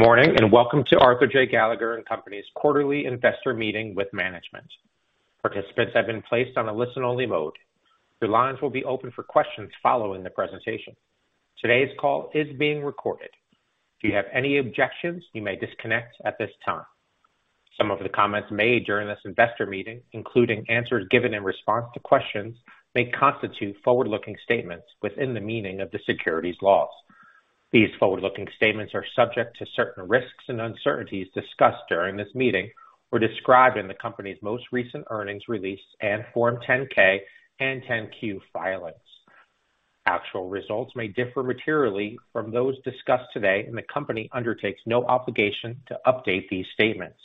Good morning, and welcome to Arthur J. Gallagher & Co.'s quarterly investor meeting with management. Participants have been placed on a listen-only mode. Your lines will be open for questions following the presentation. Today's call is being recorded. If you have any objections, you may disconnect at this time. Some of the comments made during this investor meeting, including answers given in response to questions, may constitute forward-looking statements within the meaning of the securities laws. These forward-looking statements are subject to certain risks and uncertainties discussed during this meeting or described in the company's most recent earnings release and Form 10-K and 10-Q filings. Actual results may differ materially from those discussed today, and the company undertakes no obligation to update these statements.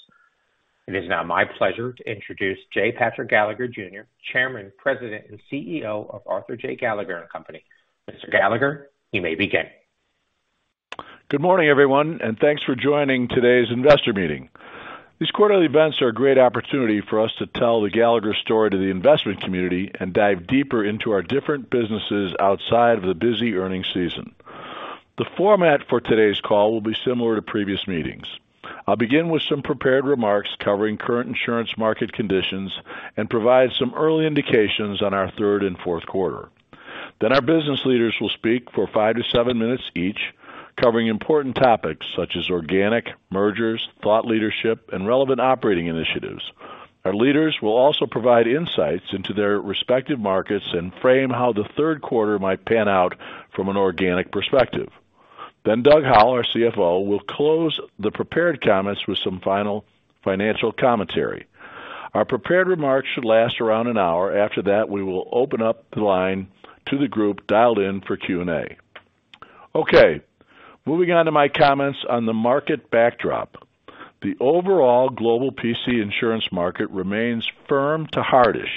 It is now my pleasure to introduce J. Patrick Gallagher, Jr., Chairman, President, and CEO of Arthur J. Gallagher & Co. Mr. Gallagher, you may begin. Good morning, everyone, and thanks for joining today's investor meeting. These quarterly events are a great opportunity for us to tell the Gallagher story to the investment community and dive deeper into our different businesses outside of the busy earnings season. The format for today's call will be similar to previous meetings. I'll begin with some prepared remarks covering current insurance market conditions and provide some early indications on our third and fourth quarter. Our business leaders will speak for five to seven minutes each, covering important topics such as organic, mergers, thought leadership, and relevant operating initiatives. Our leaders will also provide insights into their respective markets and frame how the third quarter might pan out from an organic perspective. Doug Howell, our CFO, will close the prepared comments with some final financial commentary. Our prepared remarks should last around an hour. After that, we will open up the line to the group dialed in for Q&A. Okay, moving on to my comments on the market backdrop. The overall global PC insurance market remains firm to hardish.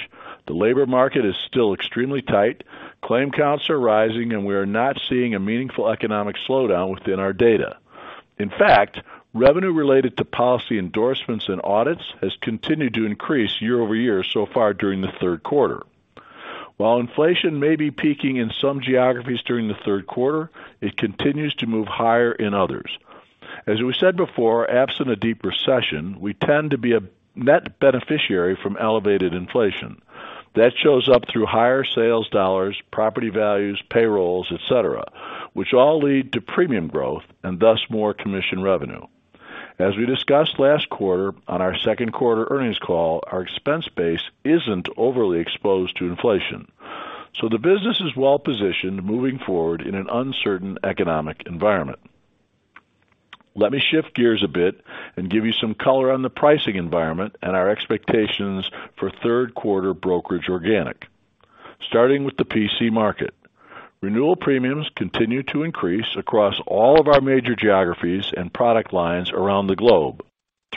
The labor market is still extremely tight. Claim counts are rising, and we are not seeing a meaningful economic slowdown within our data. In fact, revenue related to policy endorsements and audits has continued to increase year over year so far during the third quarter. While inflation may be peaking in some geographies during the third quarter, it continues to move higher in others. As we said before, absent a deep recession, we tend to be a net beneficiary from elevated inflation. That shows up through higher sales dollars, property values, payrolls, et cetera, which all lead to premium growth and thus more commission revenue. As we discussed last quarter on our second quarter earnings call, our expense base isn't overly exposed to inflation, so the business is well-positioned moving forward in an uncertain economic environment. Let me shift gears a bit and give you some color on the pricing environment and our expectations for third quarter brokerage organic. Starting with the PC market, renewal premiums continue to increase across all of our major geographies and product lines around the globe.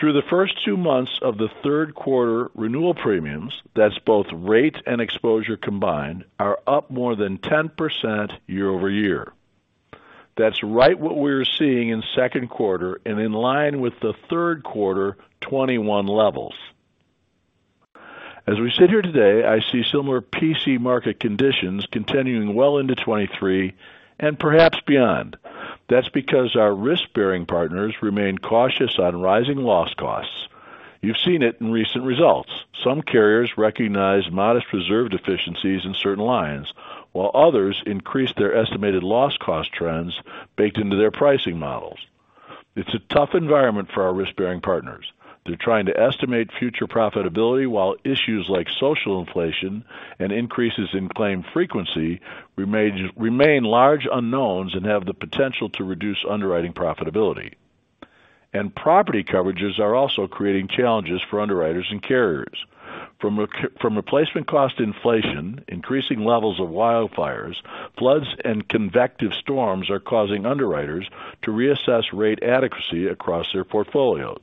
Through the first two months of the third quarter, renewal premiums, that's both rate and exposure combined, are up more than 10% year-over-year. That's in line with what we're seeing in second quarter and the third quarter 2021 levels. As we sit here today, I see similar PC market conditions continuing well into 2023 and perhaps beyond. That's because our risk-bearing partners remain cautious on rising loss costs. You've seen it in recent results. Some carriers recognize modest reserve deficiencies in certain lines, while others increase their estimated loss cost trends baked into their pricing models. It's a tough environment for our risk-bearing partners. They're trying to estimate future profitability while issues like social inflation and increases in claim frequency remain large unknowns and have the potential to reduce underwriting profitability. Property coverages are also creating challenges for underwriters and carriers. From replacement cost inflation, increasing levels of wildfires, floods, and convective storms are causing underwriters to reassess rate adequacy across their portfolios.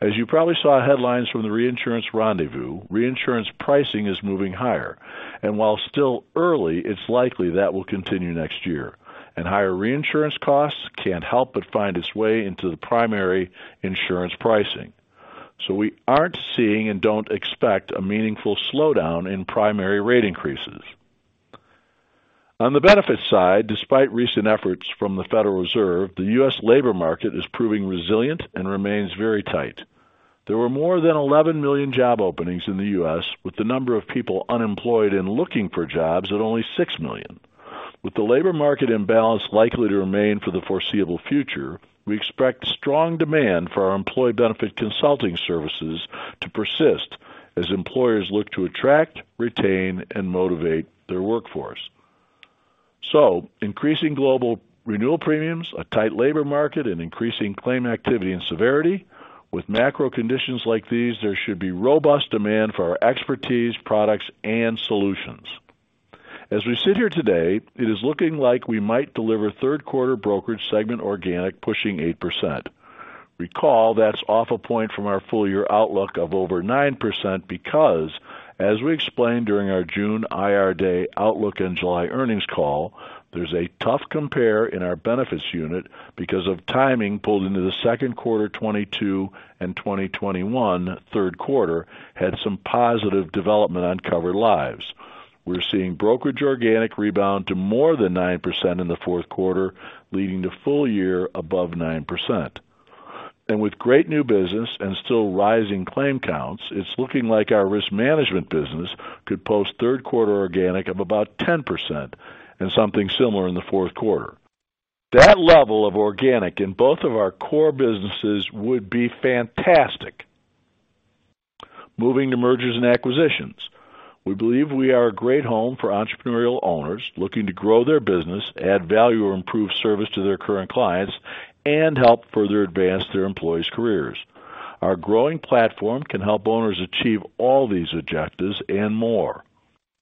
As you probably saw headlines from the Reinsurance Rendez-Vous, reinsurance pricing is moving higher, and while still early, it's likely that will continue next year. Higher reinsurance costs can't help but find its way into the primary insurance pricing. We aren't seeing and don't expect a meaningful slowdown in primary rate increases. On the benefits side, despite recent efforts from the Federal Reserve, the U.S. labor market is proving resilient and remains very tight. There were more than 11 million job openings in the U.S., with the number of people unemployed and looking for jobs at only six million. With the labor market imbalance likely to remain for the foreseeable future, we expect strong demand for our employee benefit consulting services to persist as employers look to attract, retain, and motivate their workforce. Increasing global renewal premiums, a tight labor market, and increasing claim activity and severity. With macro conditions like these, there should be robust demand for our expertise, products, and solutions. As we sit here today, it is looking like we might deliver third quarter brokerage segment organic pushing 8%. Recall that's off a point from our full year outlook of over 9% because, as we explained during our June IR Day outlook and July earnings call, there's a tough compare in our benefits unit because of timing pulled into the second quarter 2022 and 2021 third quarter had some positive development on covered lives. We're seeing brokerage organic rebound to more than 9% in the fourth quarter, leading to full year above 9%. With great new business and still rising claim counts, it's looking like our risk management business could post third quarter organic of about 10% and something similar in the fourth quarter. That level of organic in both of our core businesses would be fantastic. Moving to mergers and acquisitions. We believe we are a great home for entrepreneurial owners looking to grow their business, add value, or improve service to their current clients, and help further advance their employees' careers. Our growing platform can help owners achieve all these objectives and more.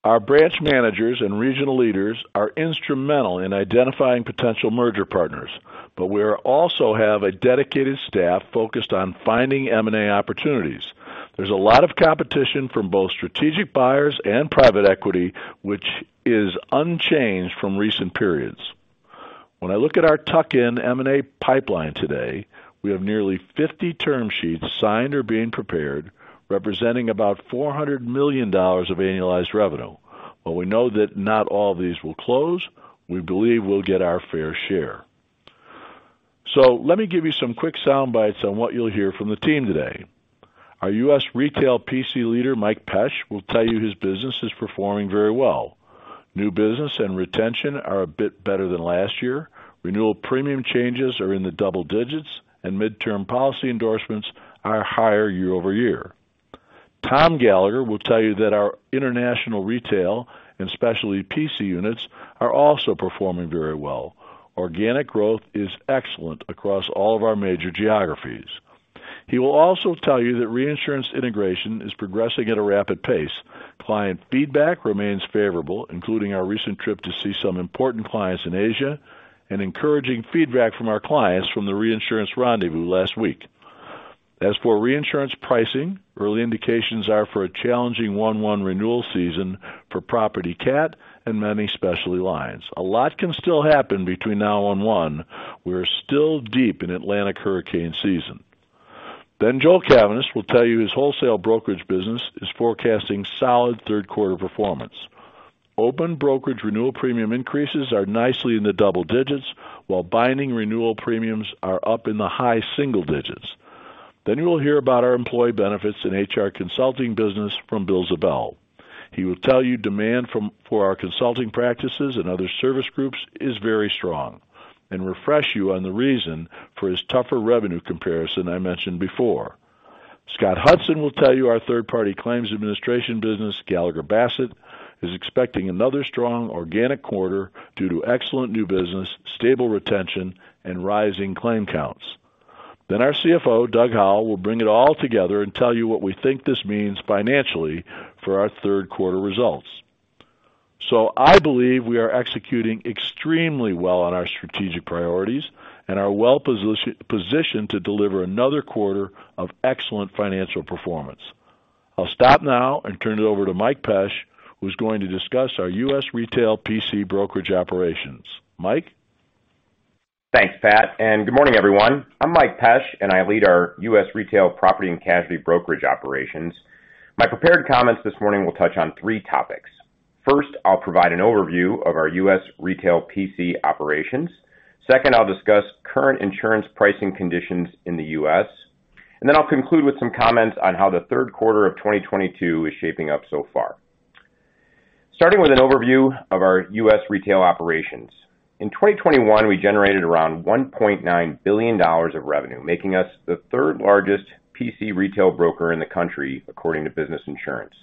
Our branch managers and regional leaders are instrumental in identifying potential merger partners, but we also have a dedicated staff focused on finding M&A opportunities. There's a lot of competition from both strategic buyers and private equity, which is unchanged from recent periods. When I look at our tuck-in M&A pipeline today, we have nearly 50 term sheets signed or being prepared, representing about $400 million of annualized revenue. While we know that not all of these will close, we believe we'll get our fair share. Let me give you some quick sound bites on what you'll hear from the team today. Our US Retail PC leader, Mike Pesch, will tell you his business is performing very well. New business and retention are a bit better than last year. Renewal premium changes are in the double digits, and midterm policy endorsements are higher year-over-year. Tom Gallagher will tell you that our international retail and specialty PC units are also performing very well. Organic growth is excellent across all of our major geographies. He will also tell you that reinsurance integration is progressing at a rapid pace. Client feedback remains favorable, including our recent trip to see some important clients in Asia and encouraging feedback from our clients from the Reinsurance Rendez-Vous last week. As for reinsurance pricing, early indications are for a challenging 1/1 renewal season for property cat and many specialty lines. A lot can still happen between now and 1/1. We're still deep in Atlantic hurricane season. Joel Cavaness will tell you his wholesale brokerage business is forecasting solid third-quarter performance. Open brokerage renewal premium increases are nicely in the double digits, while binding renewal premiums are up in the high single digits. You'll hear about our employee benefits and HR consulting business from Bill Ziebell. He will tell you demand for our consulting practices and other service groups is very strong and refresh you on the reason for his tougher revenue comparison I mentioned before. Scott Hudson will tell you our third-party claims administration business, Gallagher Bassett, is expecting another strong organic quarter due to excellent new business, stable retention, and rising claim counts. Our CFO, Doug Howell, will bring it all together and tell you what we think this means financially for our third quarter results. I believe we are executing extremely well on our strategic priorities and are well positioned to deliver another quarter of excellent financial performance. I'll stop now and turn it over to Mike Pesch, who's going to discuss our U.S. Retail P&C brokerage operations. Mike? Thanks, Pat, and good morning, everyone. I'm Mike Pesch, and I lead our US Retail Property & Casualty brokerage operations. My prepared comments this morning will touch on three topics. First, I'll provide an overview of our US Retail PC operations. Second, I'll discuss current insurance pricing conditions in the US. Then I'll conclude with some comments on how the third quarter of 2022 is shaping up so far. Starting with an overview of our US retail operations. In 2021, we generated around $1.9 billion of revenue, making us the third-largest PC retail broker in the country, according to Business Insurance.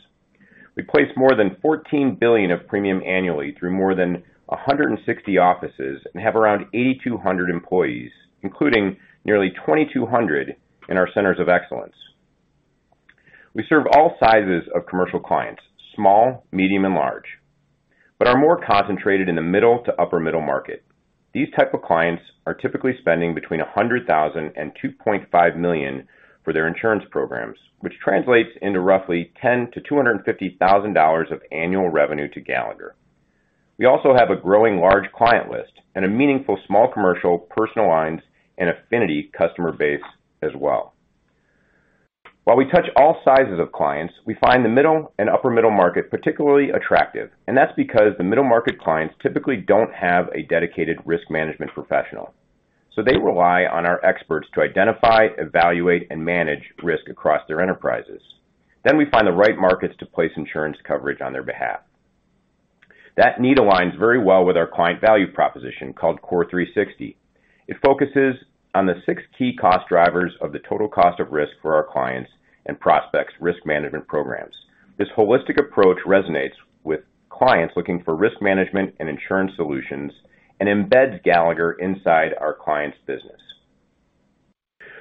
We place more than $14 billion of premium annually through more than 160 offices and have around 8,200 employees, including nearly 2,200 in our Centers of Excellence. We serve all sizes of commercial clients: small, medium, and large, but are more concentrated in the middle to upper middle market. These type of clients are typically spending between $100,000 and $2.5 million for their insurance programs, which translates into roughly $10,000-$250,000 of annual revenue to Gallagher. We also have a growing large client list and a meaningful small commercial, personal lines, and affinity customer base as well. While we touch all sizes of clients, we find the middle and upper middle market particularly attractive, and that's because the middle market clients typically don't have a dedicated risk management professional, so they rely on our experts to identify, evaluate, and manage risk across their enterprises. We find the right markets to place insurance coverage on their behalf. That need aligns very well with our client value proposition called CORE360. It focuses on the six key cost drivers of the total cost of risk for our clients and prospects risk management programs. This holistic approach resonates with clients looking for risk management and insurance solutions and embeds Gallagher inside our client's business.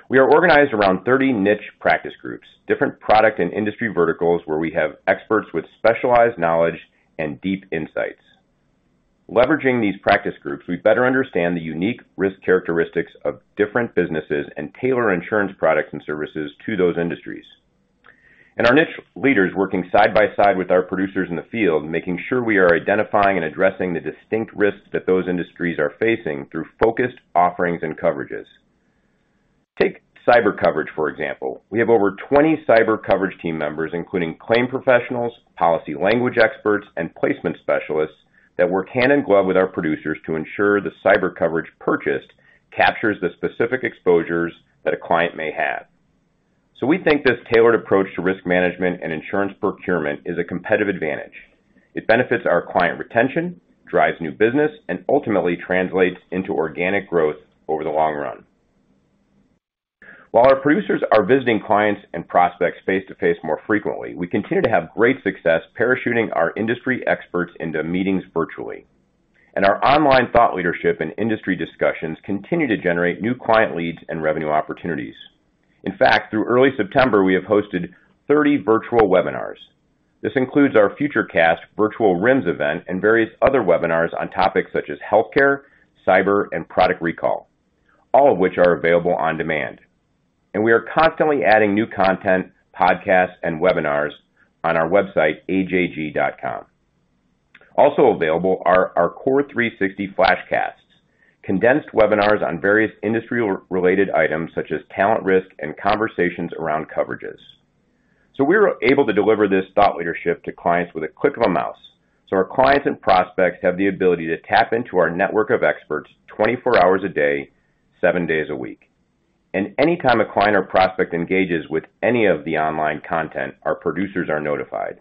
We are organized around 30 niche practice groups, different product and industry verticals where we have experts with specialized knowledge and deep insights. Leveraging these practice groups, we better understand the unique risk characteristics of different businesses and tailor insurance products and services to those industries. Our niche leaders working side by side with our producers in the field, making sure we are identifying and addressing the distinct risks that those industries are facing through focused offerings and coverages. Take cyber coverage, for example. We have over 20 cyber coverage team members, including claim professionals, policy language experts, and placement specialists that work hand in glove with our producers to ensure the cyber coverage purchased captures the specific exposures that a client may have. We think this tailored approach to risk management and insurance procurement is a competitive advantage. It benefits our client retention, drives new business, and ultimately translates into organic growth over the long run. While our producers are visiting clients and prospects face-to-face more frequently, we continue to have great success parachuting our industry experts into meetings virtually, and our online thought leadership and industry discussions continue to generate new client leads and revenue opportunities. In fact, through early September, we have hosted 30 virtual webinars. This includes our FutureCast virtual RIMS event and various other webinars on topics such as healthcare, cyber, and product recall, all of which are available on demand. We are constantly adding new content, podcasts, and webinars on our website, ajg.com. Also available are our CORE360 Flashcasts, condensed webinars on various industry-related items such as talent risk and conversations around coverages. We were able to deliver this thought leadership to clients with a click of a mouse. Our clients and prospects have the ability to tap into our network of experts 24 hours a day, seven days a week. Any time a client or prospect engages with any of the online content, our producers are notified.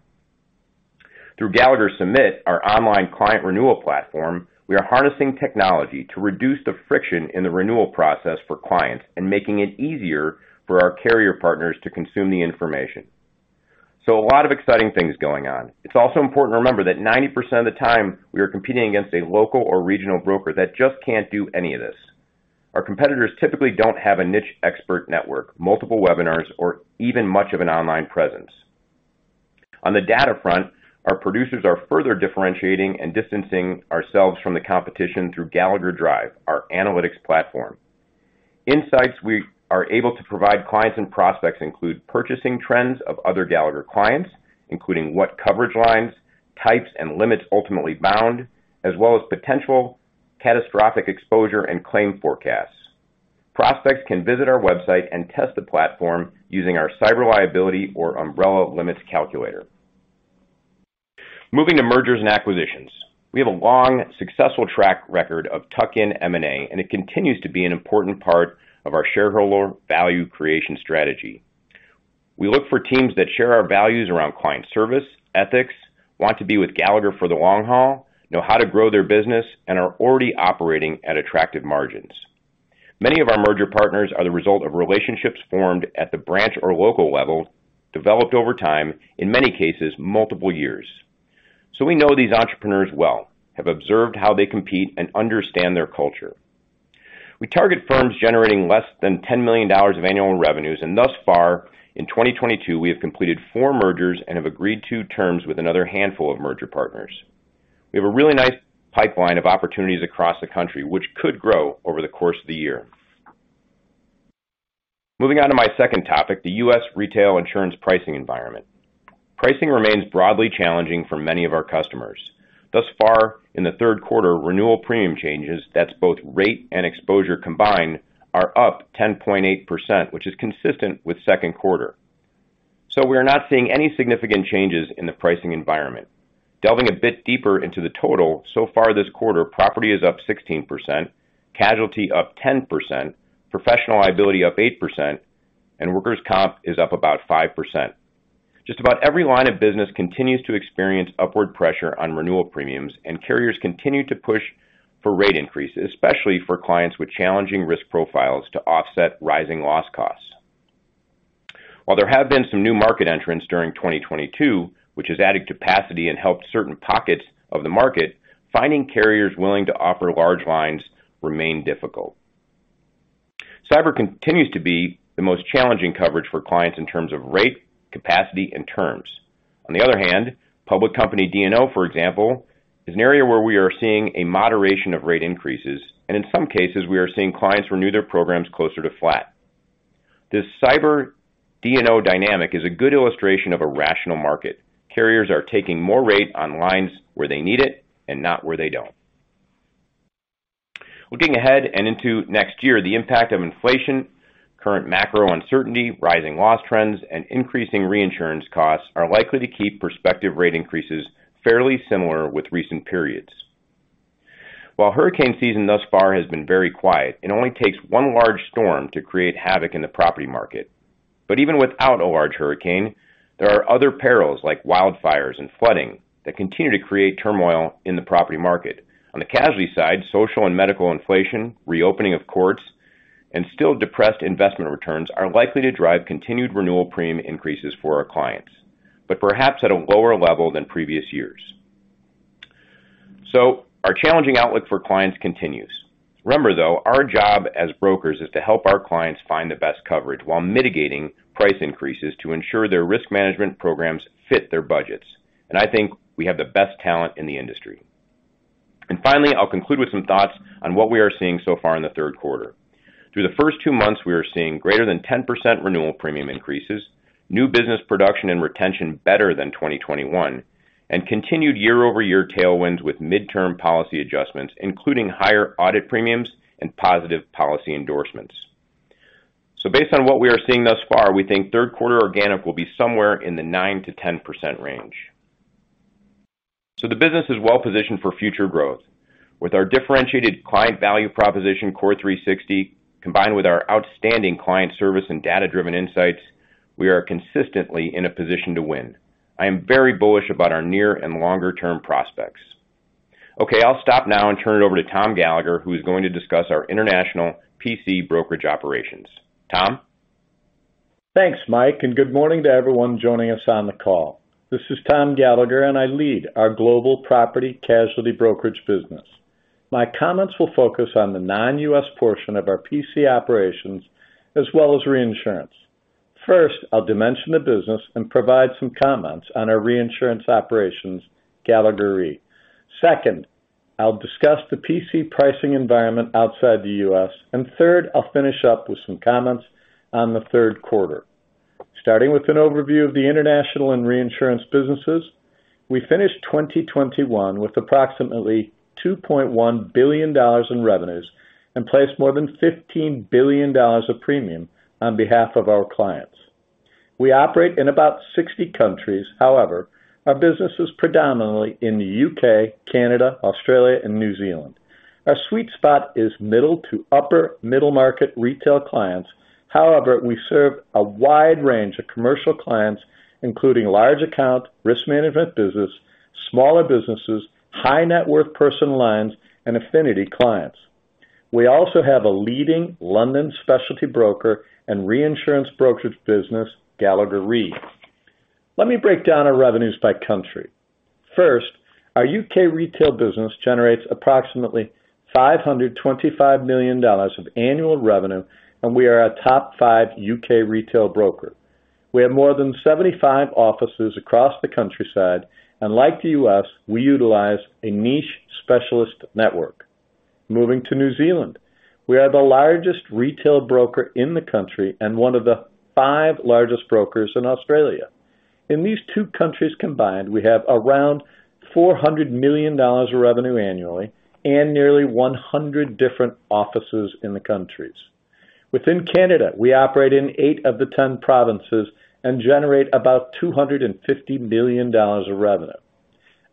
Through Gallagher Submit, our online client renewal platform, we are harnessing technology to reduce the friction in the renewal process for clients and making it easier for our carrier partners to consume the information. A lot of exciting things going on. It's also important to remember that 90% of the time we are competing against a local or regional broker that just can't do any of this. Our competitors typically don't have a niche expert network, multiple webinars, or even much of an online presence. On the data front, our producers are further differentiating and distancing ourselves from the competition through Gallagher Drive, our analytics platform. Insights we are able to provide clients and prospects include purchasing trends of other Gallagher clients, including what coverage lines, types, and limits ultimately bound, as well as potential catastrophic exposure and claim forecasts. Prospects can visit our website and test the platform using our cyber liability or umbrella limits calculator. Moving to mergers and acquisitions. We have a long, successful track record of tuck-in M&A, and it continues to be an important part of our shareholder value creation strategy. We look for teams that share our values around client service, ethics, want to be with Gallagher for the long haul, know how to grow their business, and are already operating at attractive margins. Many of our merger partners are the result of relationships formed at the branch or local level, developed over time, in many cases, multiple years. We know these entrepreneurs well, have observed how they compete, and understand their culture. We target firms generating less than $10 million of annual revenues, and thus far in 2022, we have completed four mergers and have agreed to terms with another handful of merger partners. We have a really nice pipeline of opportunities across the country which could grow over the course of the year. Moving on to my second topic, the U.S. retail insurance pricing environment. Pricing remains broadly challenging for many of our customers. Thus far in the third quarter, renewal premium changes, that's both rate and exposure combined, are up 10.8%, which is consistent with second quarter. We are not seeing any significant changes in the pricing environment. Delving a bit deeper into the total, so far this quarter, property is up 16%, casualty up 10%, professional liability up 8%, and workers' comp is up about 5%. Just about every line of business continues to experience upward pressure on renewal premiums, and carriers continue to push for rate increases, especially for clients with challenging risk profiles to offset rising loss costs. While there have been some new market entrants during 2022, which has added capacity and helped certain pockets of the market, finding carriers willing to offer large lines remain difficult. Cyber continues to be the most challenging coverage for clients in terms of rate, capacity, and terms. On the other hand, public company D&O, for example, is an area where we are seeing a moderation of rate increases, and in some cases we are seeing clients renew their programs closer to flat. This cyber D&O dynamic is a good illustration of a rational market. Carriers are taking more rate on lines where they need it and not where they don't. Looking ahead and into next year, the impact of inflation, current macro uncertainty, rising loss trends, and increasing reinsurance costs are likely to keep prospective rate increases fairly similar with recent periods. While hurricane season thus far has been very quiet, it only takes one large storm to create havoc in the property market. Even without a large hurricane, there are other perils, like wildfires and flooding, that continue to create turmoil in the property market. On the casualty side, social and medical inflation, reopening of courts, and still depressed investment returns are likely to drive continued renewal premium increases for our clients, but perhaps at a lower level than previous years. Our challenging outlook for clients continues. Remember though, our job as brokers is to help our clients find the best coverage while mitigating price increases to ensure their risk management programs fit their budgets. I think we have the best talent in the industry. Finally, I'll conclude with some thoughts on what we are seeing so far in the third quarter. Through the first two months, we are seeing greater than 10% renewal premium increases, new business production and retention better than 2021. Continued year-over-year tailwinds with midterm policy adjustments, including higher audit premiums and positive policy endorsements. Based on what we are seeing thus far, we think third quarter organic will be somewhere in the 9%-10% range. The business is well-positioned for future growth. With our differentiated client value proposition CORE360, combined with our outstanding client service and data-driven insights, we are consistently in a position to win. I am very bullish about our near and longer-term prospects. Okay. I'll stop now and turn it over to Tom Gallagher, who is going to discuss our international PC brokerage operations. Tom. Thanks, Mike, and good morning to everyone joining us on the call. This is Tom Gallagher, and I lead our global property casualty brokerage business. My comments will focus on the non-US portion of our PC operations as well as reinsurance. First, I'll dimension the business and provide some comments on our reinsurance operations, Gallagher Re. Second, I'll discuss the PC pricing environment outside the US. Third, I'll finish up with some comments on the third quarter. Starting with an overview of the international and reinsurance businesses. We finished 2021 with approximately $2.1 billion in revenues and placed more than $15 billion of premium on behalf of our clients. We operate in about 60 countries. However, our business is predominantly in the UK, Canada, Australia, and New Zealand. Our sweet spot is middle to upper middle market retail clients. However, we serve a wide range of commercial clients, including large account risk management business, smaller businesses, high net worth personal lines, and affinity clients. We also have a leading London specialty broker and reinsurance brokerage business, Gallagher Re. Let me break down our revenues by country. First, our U.K. retail business generates approximately $525 million of annual revenue, and we are a top five U.K. retail broker. We have more than 75 offices across the countryside, and like the U.S., we utilize a niche specialist network. Moving to New Zealand. We are the largest retail broker in the country and one of the five largest brokers in Australia. In these two countries combined, we have around $400 million of revenue annually and nearly 100 different offices in the countries. Within Canada, we operate in eight of the 10 provinces and generate about $250 million of revenue.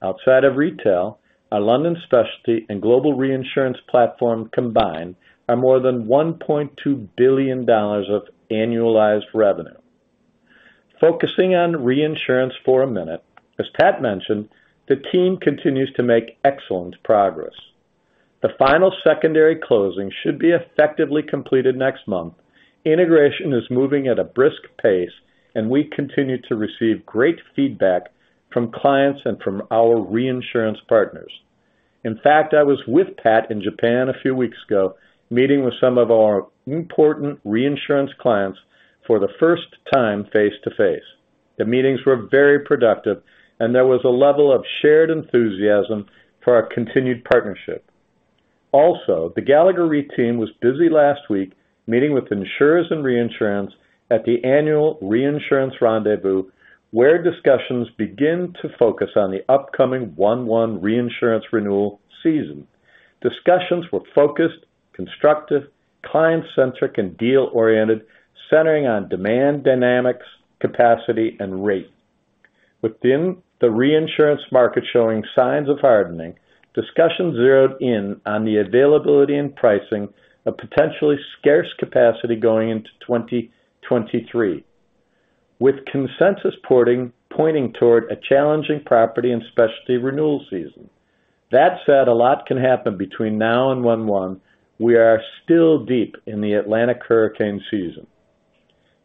Outside of retail, our London specialty and global reinsurance platform combined are more than $1.2 billion of annualized revenue. Focusing on reinsurance for a minute. As Pat mentioned, the team continues to make excellent progress. The final secondary closing should be effectively completed next month. Integration is moving at a brisk pace, and we continue to receive great feedback from clients and from our reinsurance partners. In fact, I was with Pat in Japan a few weeks ago, meeting with some of our important reinsurance clients for the first time face-to-face. The meetings were very productive, and there was a level of shared enthusiasm for our continued partnership. Also, the Gallagher Re team was busy last week meeting with insurers and reinsurers at the annual Reinsurance Rendez-Vous, where discussions begin to focus on the upcoming 1/1 reinsurance renewal season. Discussions were focused, constructive, client-centric, and deal-oriented, centering on demand dynamics, capacity, and rate. Within the reinsurance market showing signs of hardening, discussions zeroed in on the availability and pricing of potentially scarce capacity going into 2023, with consensus pointing toward a challenging property and specialty renewal season. That said, a lot can happen between now and 1/1. We are still deep in the Atlantic hurricane season.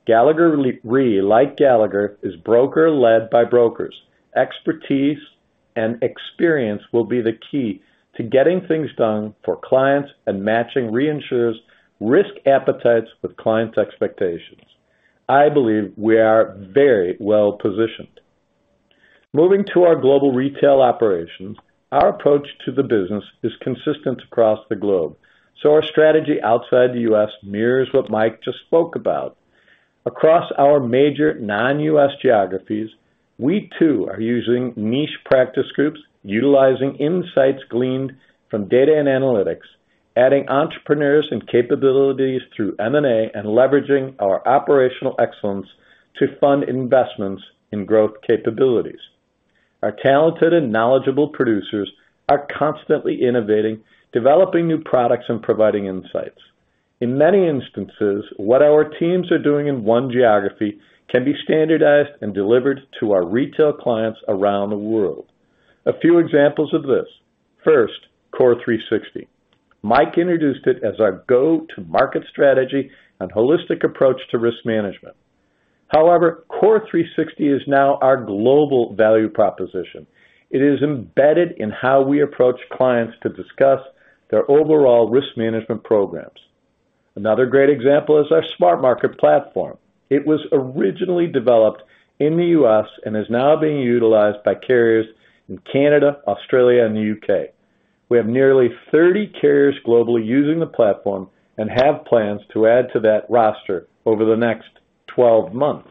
Gallagher Re, like Gallagher, is broker led by brokers. Expertise and experience will be the key to getting things done for clients and matching reinsurers' risk appetites with clients' expectations. I believe we are very well-positioned. Moving to our global retail operations. Our approach to the business is consistent across the globe, so our strategy outside the U.S. mirrors what Mike just spoke about. Across our major non-U.S. geographies, we too are using niche practice groups, utilizing insights gleaned from data and analytics, adding entrepreneurs and capabilities through M&A, and leveraging our operational excellence to fund investments in growth capabilities. Our talented and knowledgeable producers are constantly innovating, developing new products, and providing insights. In many instances, what our teams are doing in one geography can be standardized and delivered to our retail clients around the world. A few examples of this. First, CORE360. Mike introduced it as our go-to-market strategy and holistic approach to risk management. However, CORE360 is now our global value proposition. It is embedded in how we approach clients to discuss their overall risk management programs. Another great example is our SmartMarket platform. It was originally developed in the US and is now being utilized by carriers in Canada, Australia, and the UK. We have nearly 30 carriers globally using the platform and have plans to add to that roster over the next 12 months.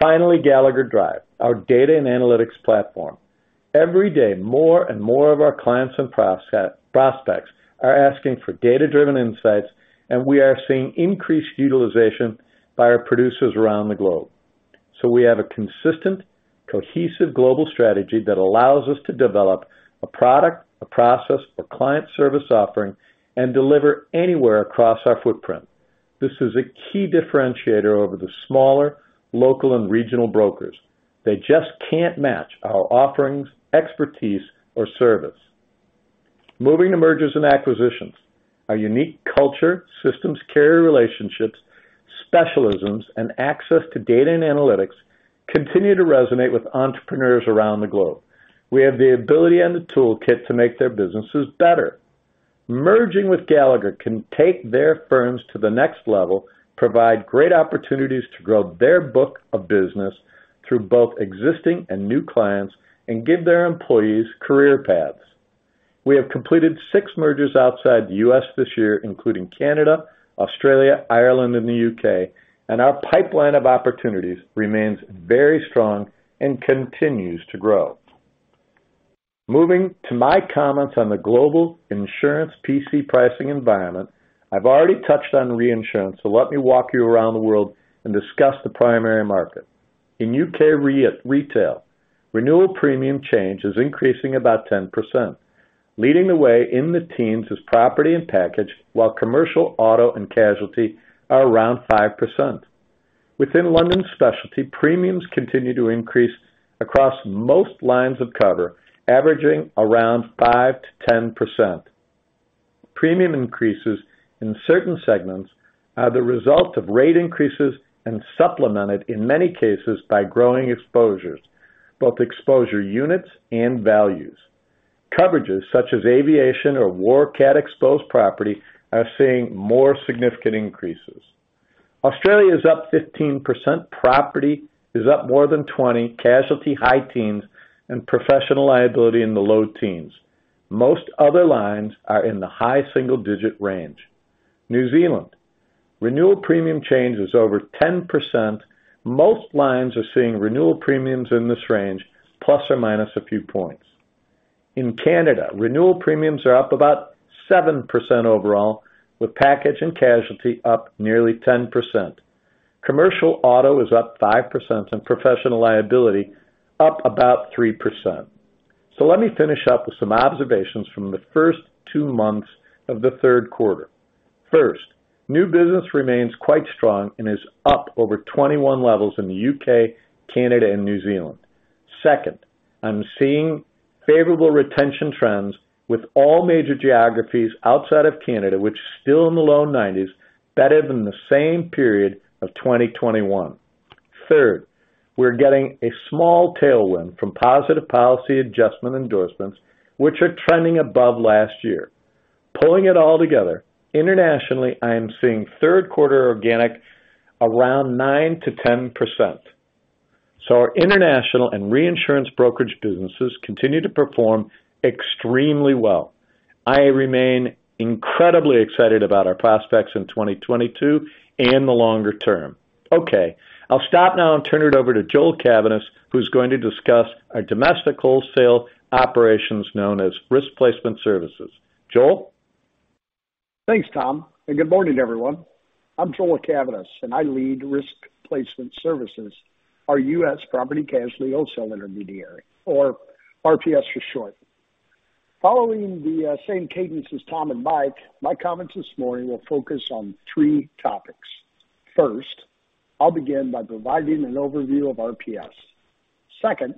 Finally, Gallagher Drive, our data and analytics platform. Every day, more and more of our clients and prospects are asking for data-driven insights, and we are seeing increased utilization by our producers around the globe. We have a consistent, cohesive global strategy that allows us to develop a product, a process, a client service offering, and deliver anywhere across our footprint. This is a key differentiator over the smaller local and regional brokers. They just can't match our offerings, expertise, or service. Moving to mergers and acquisitions. Our unique culture, systems, carrier relationships, specialisms and access to data and analytics continue to resonate with entrepreneurs around the globe. We have the ability and the toolkit to make their businesses better. Merging with Gallagher can take their firms to the next level, provide great opportunities to grow their book of business through both existing and new clients, and give their employees career paths. We have completed six mergers outside the U.S. this year, including Canada, Australia, Ireland, and the U.K., and our pipeline of opportunities remains very strong and continues to grow. Moving to my comments on the global insurance PC pricing environment. I've already touched on reinsurance, so let me walk you around the world and discuss the primary market. In U.K. retail, renewal premium change is increasing about 10%. Leading the way in the teens is property and package, while commercial auto and casualty are around 5%. Within London specialty, premiums continue to increase across most lines of cover, averaging around 5%-10%. Premium increases in certain segments are the result of rate increases and supplemented, in many cases, by growing exposures, both exposure units and values. Coverages such as aviation or war cat exposed property are seeing more significant increases. Australia is up 15%. Property is up more than 20%, casualty high teens, and professional liability in the low teens. Most other lines are in the high single-digit range. New Zealand renewal premium change is over 10%. Most lines are seeing renewal premiums in this range, plus or minus a few points. In Canada, renewal premiums are up about 7% overall, with package and casualty up nearly 10%. Commercial auto is up 5% and professional liability up about 3%. Let me finish up with some observations from the first two months of the third quarter. First, new business remains quite strong and is up over 21 levels in the U.K., Canada and New Zealand. Second, I'm seeing favorable retention trends with all major geographies outside of Canada, which is still in the low 90s, better than the same period of 2021. Third, we're getting a small tailwind from positive policy adjustment endorsements, which are trending above last year. Pulling it all together, internationally, I am seeing third quarter organic around 9%-10%. Our international and reinsurance brokerage businesses continue to perform extremely well. I remain incredibly excited about our prospects in 2022 and the longer term. Okay, I'll stop now and turn it over to Joel Cavaness, who's going to discuss our domestic wholesale operations known as Risk Placement Services, Joel? Thanks, Tom, and good morning, everyone. I'm Joel Cavaness, and I lead Risk Placement Services, our U.S. property casualty wholesale intermediary, or RPS for short. Following the same cadence as Tom and Mike, my comments this morning will focus on three topics. First, I'll begin by providing an overview of RPS. Second,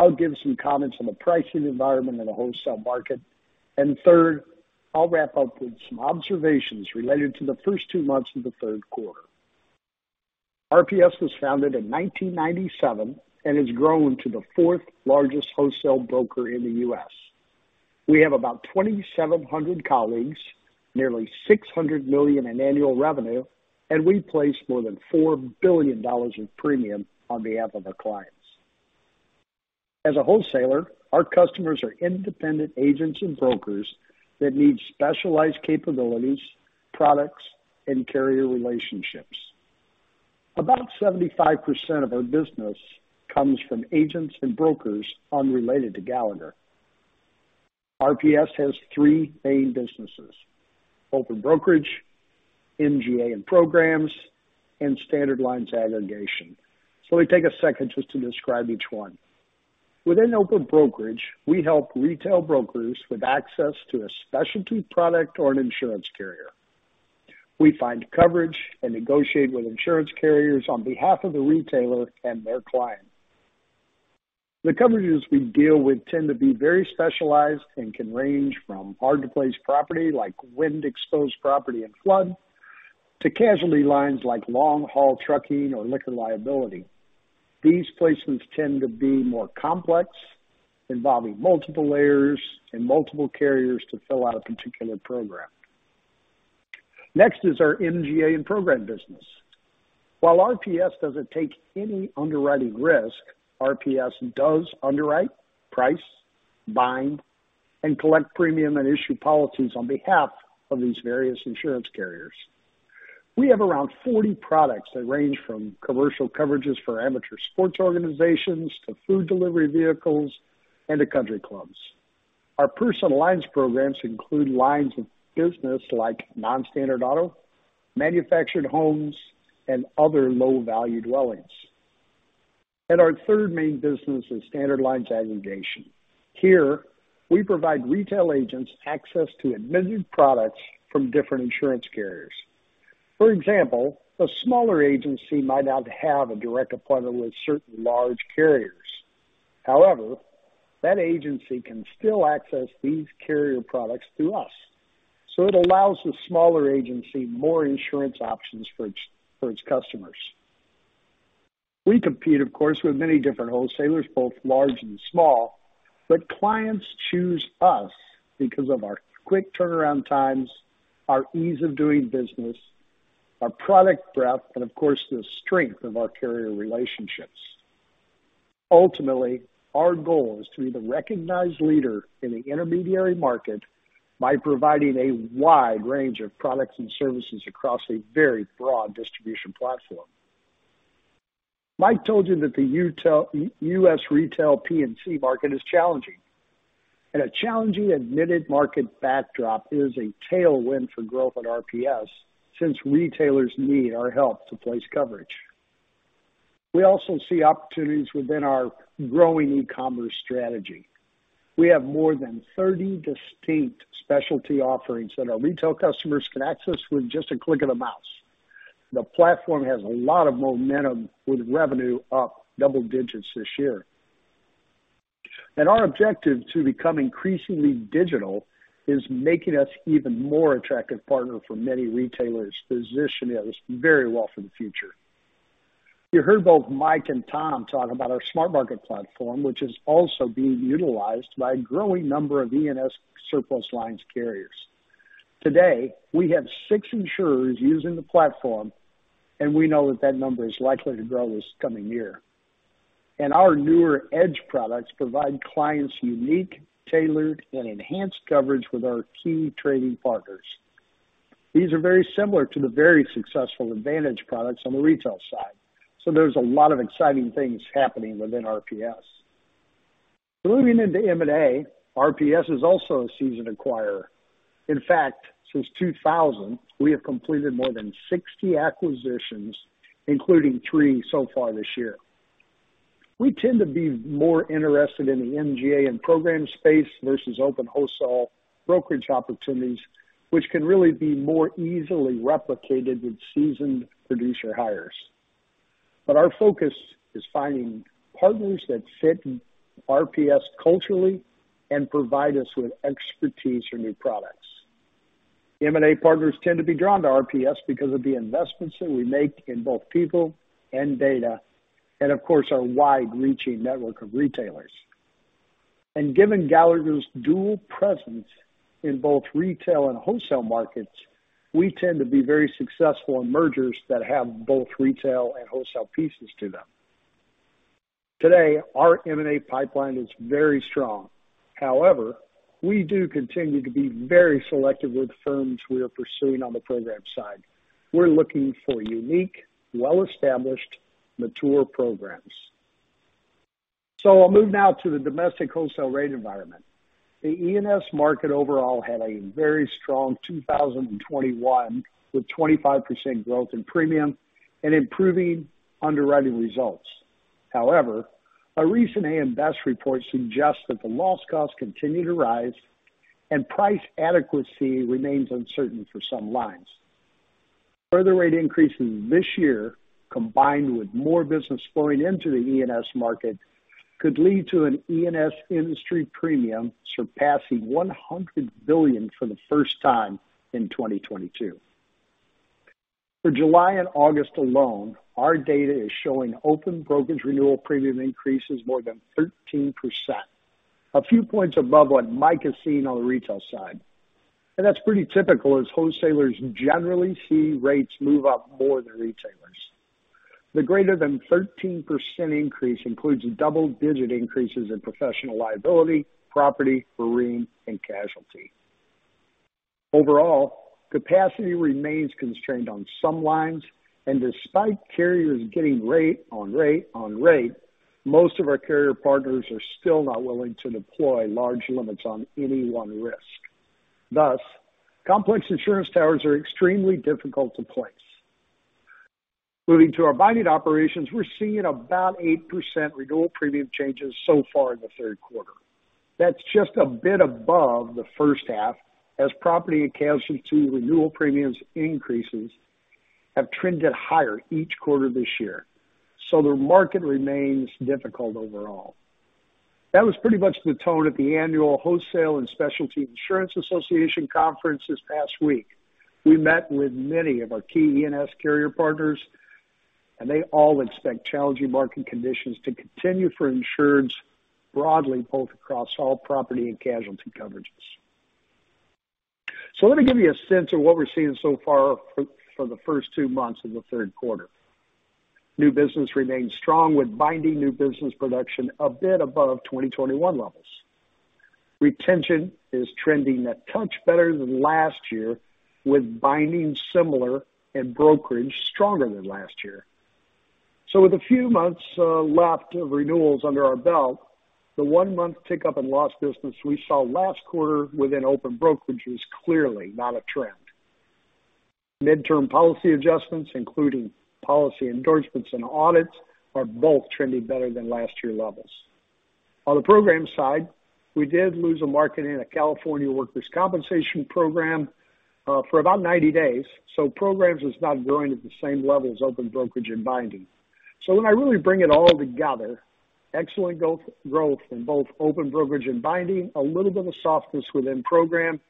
I'll give some comments on the pricing environment in the wholesale market. Third, I'll wrap up with some observations related to the first two months of the third quarter. RPS was founded in 1997 and has grown to the fourth largest wholesale broker in the U.S. We have about 2,700 colleagues, nearly $600 million in annual revenue, and we place more than $4 billion in premium on behalf of our clients. As a wholesaler, our customers are independent agents and brokers that need specialized capabilities, products, and carrier relationships. About 75% of our business comes from agents and brokers unrelated to Gallagher. RPS has three main businesses: open brokerage, MGA and programs, and standard lines aggregation. Let me take a second just to describe each one. Within open brokerage, we help retail brokers with access to a specialty product or an insurance carrier. We find coverage and negotiate with insurance carriers on behalf of the retailer and their client. The coverages we deal with tend to be very specialized and can range from hard-to-place property like wind-exposed property and flood, to casualty lines like long-haul trucking or liquor liability. These placements tend to be more complex, involving multiple layers and multiple carriers to fill out a particular program. Next is our MGA and program business. While RPS doesn't take any underwriting risk, RPS does underwrite, price, bind, and collect premium and issue policies on behalf of these various insurance carriers. We have around 40 products that range from commercial coverages for amateur sports organizations to food delivery vehicles and to country clubs. Our personal lines programs include lines of business like non-standard auto, manufactured homes, and other low-value dwellings. Our third main business is Standard Lines Aggregation. Here, we provide retail agents access to admitted products from different insurance carriers. For example, a smaller agency might not have a direct appointment with certain large carriers. However, that agency can still access these carrier products through us, so it allows the smaller agency more insurance options for its customers. We compete, of course, with many different wholesalers, both large and small, but clients choose us because of our quick turnaround times, our ease of doing business, our product breadth, and of course, the strength of our carrier relationships. Ultimately, our goal is to be the recognized leader in the intermediary market by providing a wide range of products and services across a very broad distribution platform. Mike told you that the U.S. retail P&C market is challenging. A challenging admitted market backdrop is a tailwind for growth at RPS since retailers need our help to place coverage. We also see opportunities within our growing e-commerce strategy. We have more than 30 distinct specialty offerings that our retail customers can access with just a click of a mouse. The platform has a lot of momentum, with revenue up double digits this year. Our objective to become increasingly digital is making us even more attractive partner for many retailers, positioning us very well for the future. You heard both Mike and Tom talk about our SmartMarket platform, which is also being utilized by a growing number of E&S surplus lines carriers. Today, we have six insurers using the platform, and we know that that number is likely to grow this coming year. Our newer Edge products provide clients unique, tailored, and enhanced coverage with our key trading partners. These are very similar to the very successful Advantage products on the retail side, so there's a lot of exciting things happening within RPS. Moving into M&A, RPS is also a seasoned acquirer. In fact, since 2000, we have completed more than 60 acquisitions, including three so far this year. We tend to be more interested in the MGA and program space versus open wholesale brokerage opportunities, which can really be more easily replicated with seasoned producer hires. Our focus is finding partners that fit RPS culturally and provide us with expertise for new products. M&A partners tend to be drawn to RPS because of the investments that we make in both people and data and of course, our wide-reaching network of retailers. Given Gallagher's dual presence in both retail and wholesale markets, we tend to be very successful in mergers that have both retail and wholesale pieces to them. Today, our M&A pipeline is very strong. However, we do continue to be very selective with firms we are pursuing on the program side. We're looking for unique, well-established, mature programs. I'll move now to the domestic wholesale rate environment. The E&S market overall had a very strong 2021, with 25% growth in premium and improving underwriting results. However, a recent AM Best report suggests that the loss costs continue to rise and price adequacy remains uncertain for some lines. Further rate increases this year, combined with more business flowing into the E&S market, could lead to an E&S industry premium surpassing $100 billion for the first time in 2022. For July and August alone, our data is showing open brokerage renewal premium increases more than 13%, a few points above what Mike has seen on the retail side. That's pretty typical, as wholesalers generally see rates move up more than retailers. The greater than 13% increase includes double-digit increases in professional liability, property, marine, and casualty. Overall, capacity remains constrained on some lines, and despite carriers getting rate on rate on rate, most of our carrier partners are still not willing to deploy large limits on any one risk. Thus, complex insurance towers are extremely difficult to place. Moving to our binding operations, we're seeing about 8% renewal premium changes so far in the third quarter. That's just a bit above the first half, as property and casualty renewal premiums increases have trended higher each quarter this year, so the market remains difficult overall. That was pretty much the tone at the annual Wholesale & Specialty Insurance Association Conference this past week. We met with many of our key E&S carrier partners. They all expect challenging market conditions to continue for insureds broadly, both across all property and casualty coverages. Let me give you a sense of what we're seeing so far for the first two months of the third quarter. New business remains strong with binding new business production a bit above 2021 levels. Retention is trending a touch better than last year, with binding similar and brokerage stronger than last year. With a few months left of renewals under our belt, the one-month tick up in lost business we saw last quarter within open brokerage is clearly not a trend. Midterm policy adjustments, including policy endorsements and audits, are both trending better than last year levels. On the program side, we did lose a market in a California workers' compensation program for about 90 days, so programs is not growing at the same level as open brokerage and binding. When I really bring it all together, excellent growth in both open brokerage and binding, a little bit of softness within program,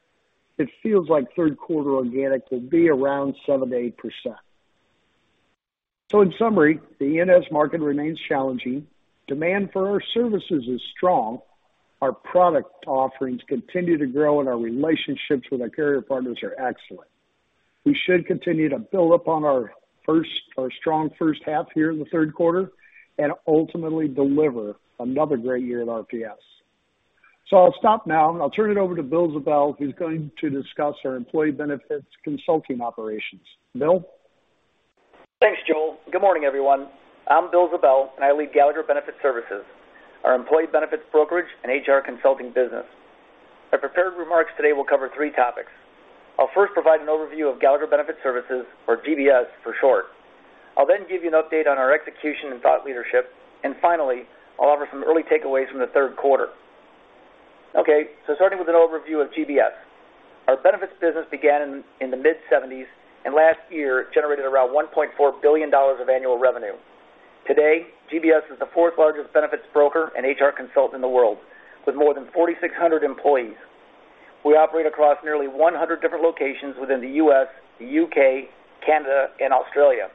it feels like third quarter organic will be around 7%-8%. In summary, the E&S market remains challenging. Demand for our services is strong. Our product offerings continue to grow, and our relationships with our carrier partners are excellent. We should continue to build upon our strong first half here in the third quarter and ultimately deliver another great year at RPS. I'll stop now, and I'll turn it over to Bill Ziebell, who's going to discuss our employee benefits consulting operations. Bill? Thanks, Joel. Good morning, everyone. I'm Bill Ziebell, and I lead Gallagher Benefit Services, our employee benefits brokerage and HR consulting business. My prepared remarks today will cover three topics. I'll first provide an overview of Gallagher Benefit Services or GBS for short. I'll then give you an update on our execution and thought leadership. Finally, I'll offer some early takeaways from the third quarter. Okay, starting with an overview of GBS. Our benefits business began in the mid-seventies, and last year generated around $1.4 billion of annual revenue. Today, GBS is the fourth largest benefits broker and HR consultant in the world with more than 4,600 employees. We operate across nearly 100 different locations within the U.S., the U.K., Canada, and Australia.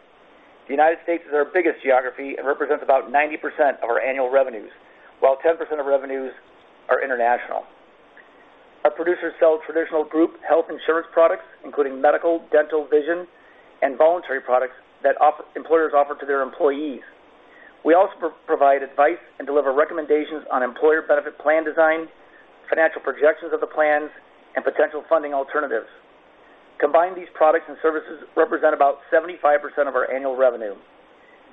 The United States is our biggest geography and represents about 90% of our annual revenues, while 10% of revenues are international. Our producers sell traditional group health insurance products, including medical, dental, vision, and voluntary products that employers offer to their employees. We also provide advice and deliver recommendations on employer benefit plan design, financial projections of the plans, and potential funding alternatives. Combined, these products and services represent about 75% of our annual revenue.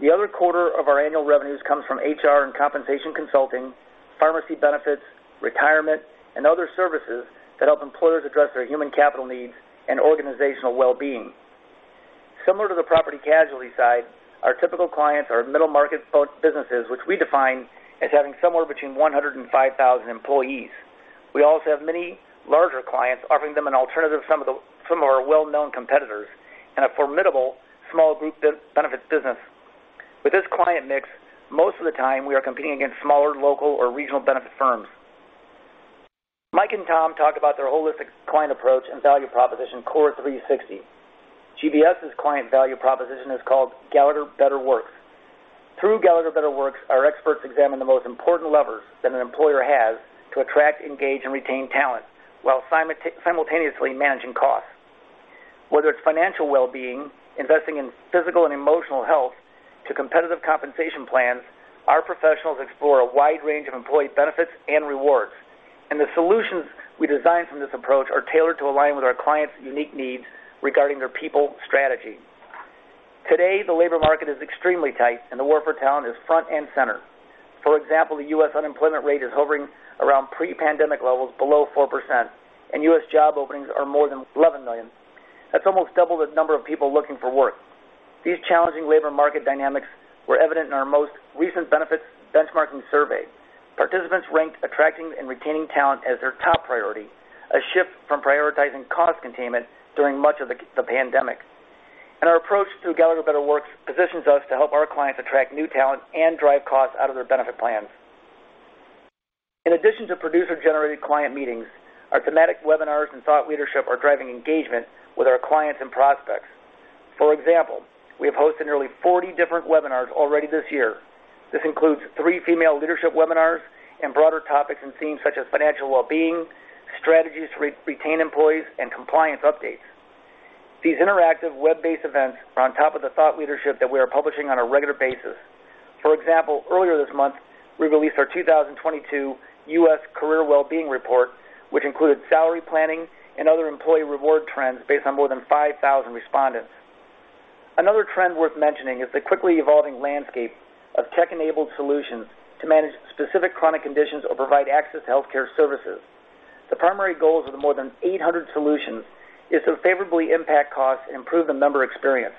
The other quarter of our annual revenues comes from HR and compensation consulting, pharmacy benefits, retirement, and other services that help employers address their human capital needs and organizational well-being. Similar to the property casualty side, our typical clients are middle-market businesses which we define as having somewhere between 100 and 5,000 employees. We also have many larger clients, offering them an alternative to some of the our well-known competitors and a formidable small group benefits business. With this client mix, most of the time, we are competing against smaller, local or regional benefit firms. Mike and Tom talked about their holistic client approach and value proposition, CORE360. GBS's client value proposition is called Gallagher Better Works. Through Gallagher Better Works, our experts examine the most important levers that an employer has to attract, engage, and retain talent while simultaneously managing costs. Whether it's financial well-being, investing in physical and emotional health to competitive compensation plans, our professionals explore a wide range of employee benefits and rewards. The solutions we design from this approach are tailored to align with our clients' unique needs regarding their people strategy. Today, the labor market is extremely tight, and the war for talent is front and center. For example, the U.S. unemployment rate is hovering around pre-pandemic levels below 4%, and U.S. job openings are more than 11 million. That's almost double the number of people looking for work. These challenging labor market dynamics were evident in our most recent benefits benchmarking survey. Participants ranked attracting and retaining talent as their top priority, a shift from prioritizing cost containment during much of the pandemic. Our approach through Gallagher Better Works positions us to help our clients attract new talent and drive costs out of their benefit plans. In addition to producer-generated client meetings, our thematic webinars and thought leadership are driving engagement with our clients and prospects. For example, we have hosted nearly 40 different webinars already this year. This includes three female leadership webinars and broader topics and themes such as financial well-being, strategies to re-retain employees, and compliance updates. These interactive web-based events are on top of the thought leadership that we are publishing on a regular basis. For example, earlier this month, we released our 2022 Workforce Trends Report: Career Wellbeing, which included salary planning and other employee reward trends based on more than 5,000 respondents. Another trend worth mentioning is the quickly evolving landscape of tech-enabled solutions to manage specific chronic conditions or provide access to healthcare services. The primary goals of the more than 800 solutions is to favorably impact costs and improve the member experience.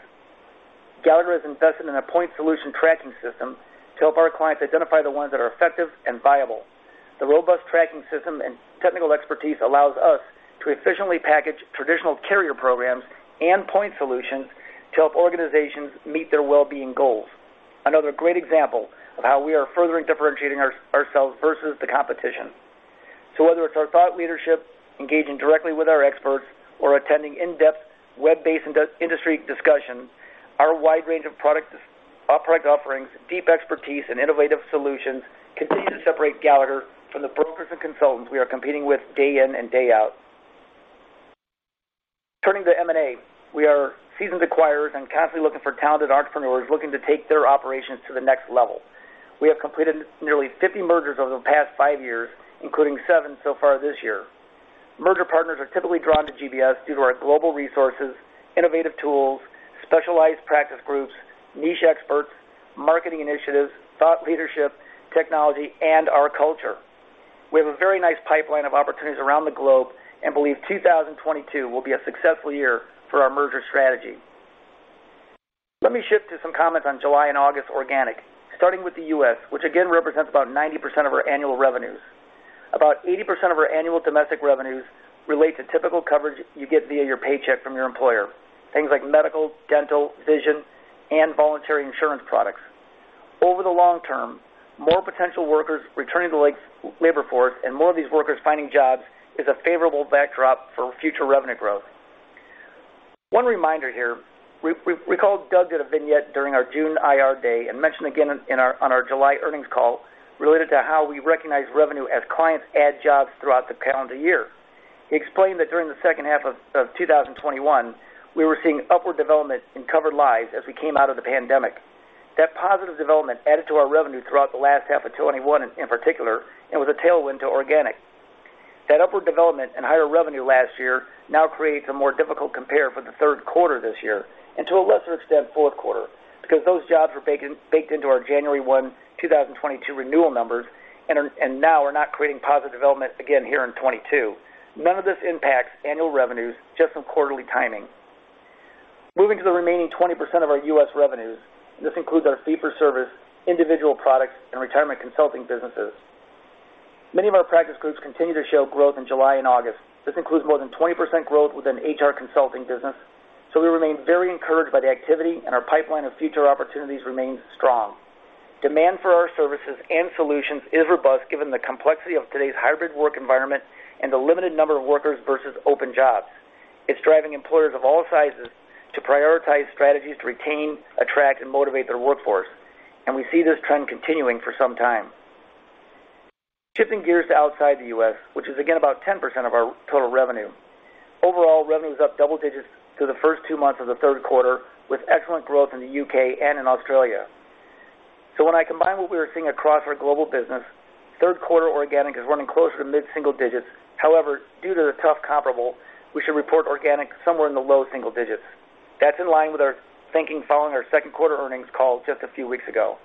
Gallagher has invested in a point solution tracking system to help our clients identify the ones that are effective and viable. The robust tracking system and technical expertise allows us to efficiently package traditional carrier programs and point solutions to help organizations meet their well-being goals. Another great example of how we are further differentiating ourselves versus the competition. Whether it's our thought leadership, engaging directly with our experts, or attending in-depth web-based in-industry discussions, our wide range of product offerings, deep expertise, and innovative solutions continue to separate Gallagher from the brokers and consultants we are competing with day in and day out. Turning to M&A, we are seasoned acquirers and constantly looking for talented entrepreneurs looking to take their operations to the next level. We have completed nearly 50 mergers over the past five years, including 7 so far this year. Merger partners are typically drawn to GBS due to our global resources, innovative tools, specialized practice groups, niche experts, marketing initiatives, thought leadership, technology, and our culture. We have a very nice pipeline of opportunities around the globe and believe 2022 will be a successful year for our merger strategy. Let me shift to some comments on July and August organic, starting with the US, which again represents about 90% of our annual revenues. About 80% of our annual domestic revenues relate to typical coverage you get via your paycheck from your employer, things like medical, dental, vision, and voluntary insurance products. Over the long term, more potential workers returning to labor force and more of these workers finding jobs is a favorable backdrop for future revenue growth. One reminder here. Doug did a vignette during our June IR Day and mentioned again on our July earnings call related to how we recognize revenue as clients add jobs throughout the calendar year. He explained that during the second half of 2021, we were seeing upward development in covered lives as we came out of the pandemic. That positive development added to our revenue throughout the last half of 2021 in particular, and was a tailwind to organic. That upward development and higher revenue last year now creates a more difficult compare for the third quarter this year, and to a lesser extent, fourth quarter, because those jobs were baked into our January 1, 2022 renewal numbers and now are not creating positive development again here in 2022. None of this impacts annual revenues, just some quarterly timing. Moving to the remaining 20% of our U.S. revenues, this includes our fee for service, individual products, and retirement consulting businesses. Many of our practice groups continue to show growth in July and August. This includes more than 20% growth within HR consulting business, so we remain very encouraged by the activity, and our pipeline of future opportunities remains strong. Demand for our services and solutions is robust given the complexity of today's hybrid work environment and the limited number of workers versus open jobs. It's driving employers of all sizes to prioritize strategies to retain, attract, and motivate their workforce, and we see this trend continuing for some time. Shifting gears to outside the U.S., which is again about 10% of our total revenue. Overall, revenue is up double digits through the first two months of the third quarter, with excellent growth in the UK and in Australia. When I combine what we are seeing across our global business, third quarter organic is running closer to mid-single digits. However, due to the tough comparable, we should report organic somewhere in the low single digits. That's in line with our thinking following our second quarter earnings call just a few weeks ago.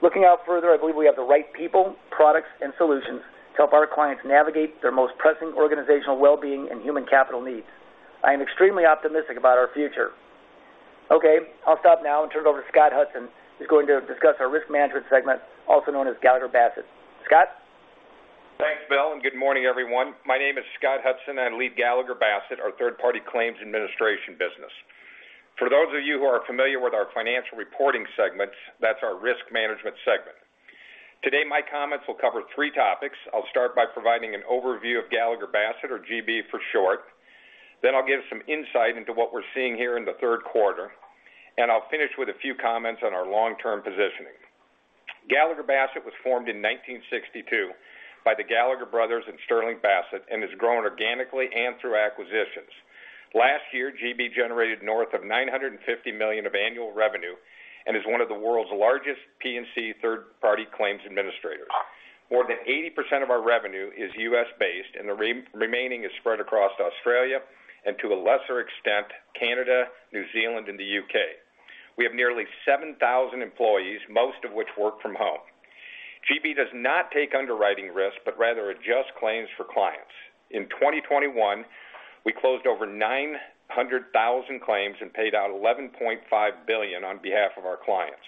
Looking out further, I believe we have the right people, products, and solutions to help our clients navigate their most pressing organizational well-being and human capital needs. I am extremely optimistic about our future. Okay, I'll stop now and turn it over to Scott Hudson, who's going to discuss our risk management segment, also known as Gallagher Bassett. Scott? Thanks, Bill, and good morning, everyone. My name is Scott Hudson. I lead Gallagher Bassett, our third-party claims administration business. For those of you who are familiar with our financial reporting segments, that's our risk management segment. Today, my comments will cover three topics. I'll start by providing an overview of Gallagher Bassett or GB for short. Then I'll give some insight into what we're seeing here in the third quarter. I'll finish with a few comments on our long-term positioning. Gallagher Bassett was formed in 1962 by the Gallagher brothers and Sterling Bassett and has grown organically and through acquisitions. Last year, GB generated north of $950 million of annual revenue and is one of the world's largest P&C third-party claims administrators. More than 80% of our revenue is U.S.-based, and the remaining is spread across Australia and to a lesser extent, Canada, New Zealand, and the U.K. We have nearly 7,000 employees, most of which work from home. GB does not take underwriting risk, but rather adjust claims for clients. In 2021, we closed over 900,000 claims and paid out $11.5 billion on behalf of our clients.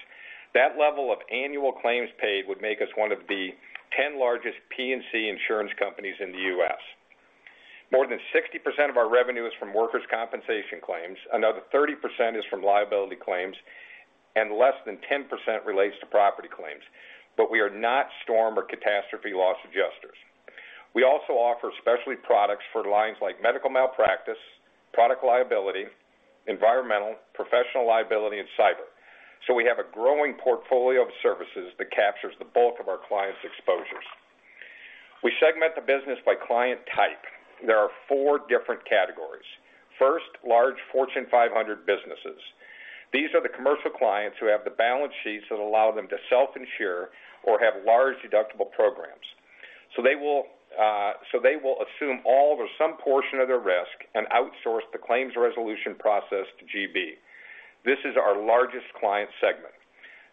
That level of annual claims paid would make us one of the 10 largest P&C insurance companies in the U.S. More than 60% of our revenue is from workers' compensation claims, another 30% is from liability claims, and less than 10% relates to property claims, but we are not storm or catastrophe loss adjusters. We also offer specialty products for lines like medical malpractice, product liability, environmental, professional liability, and cyber. We have a growing portfolio of services that captures the bulk of our clients' exposures. We segment the business by client type. There are four different categories. First, large Fortune 500 businesses. These are the commercial clients who have the balance sheets that allow them to self-insure or have large deductible programs. They will assume all or some portion of their risk and outsource the claims resolution process to GB. This is our largest client segment.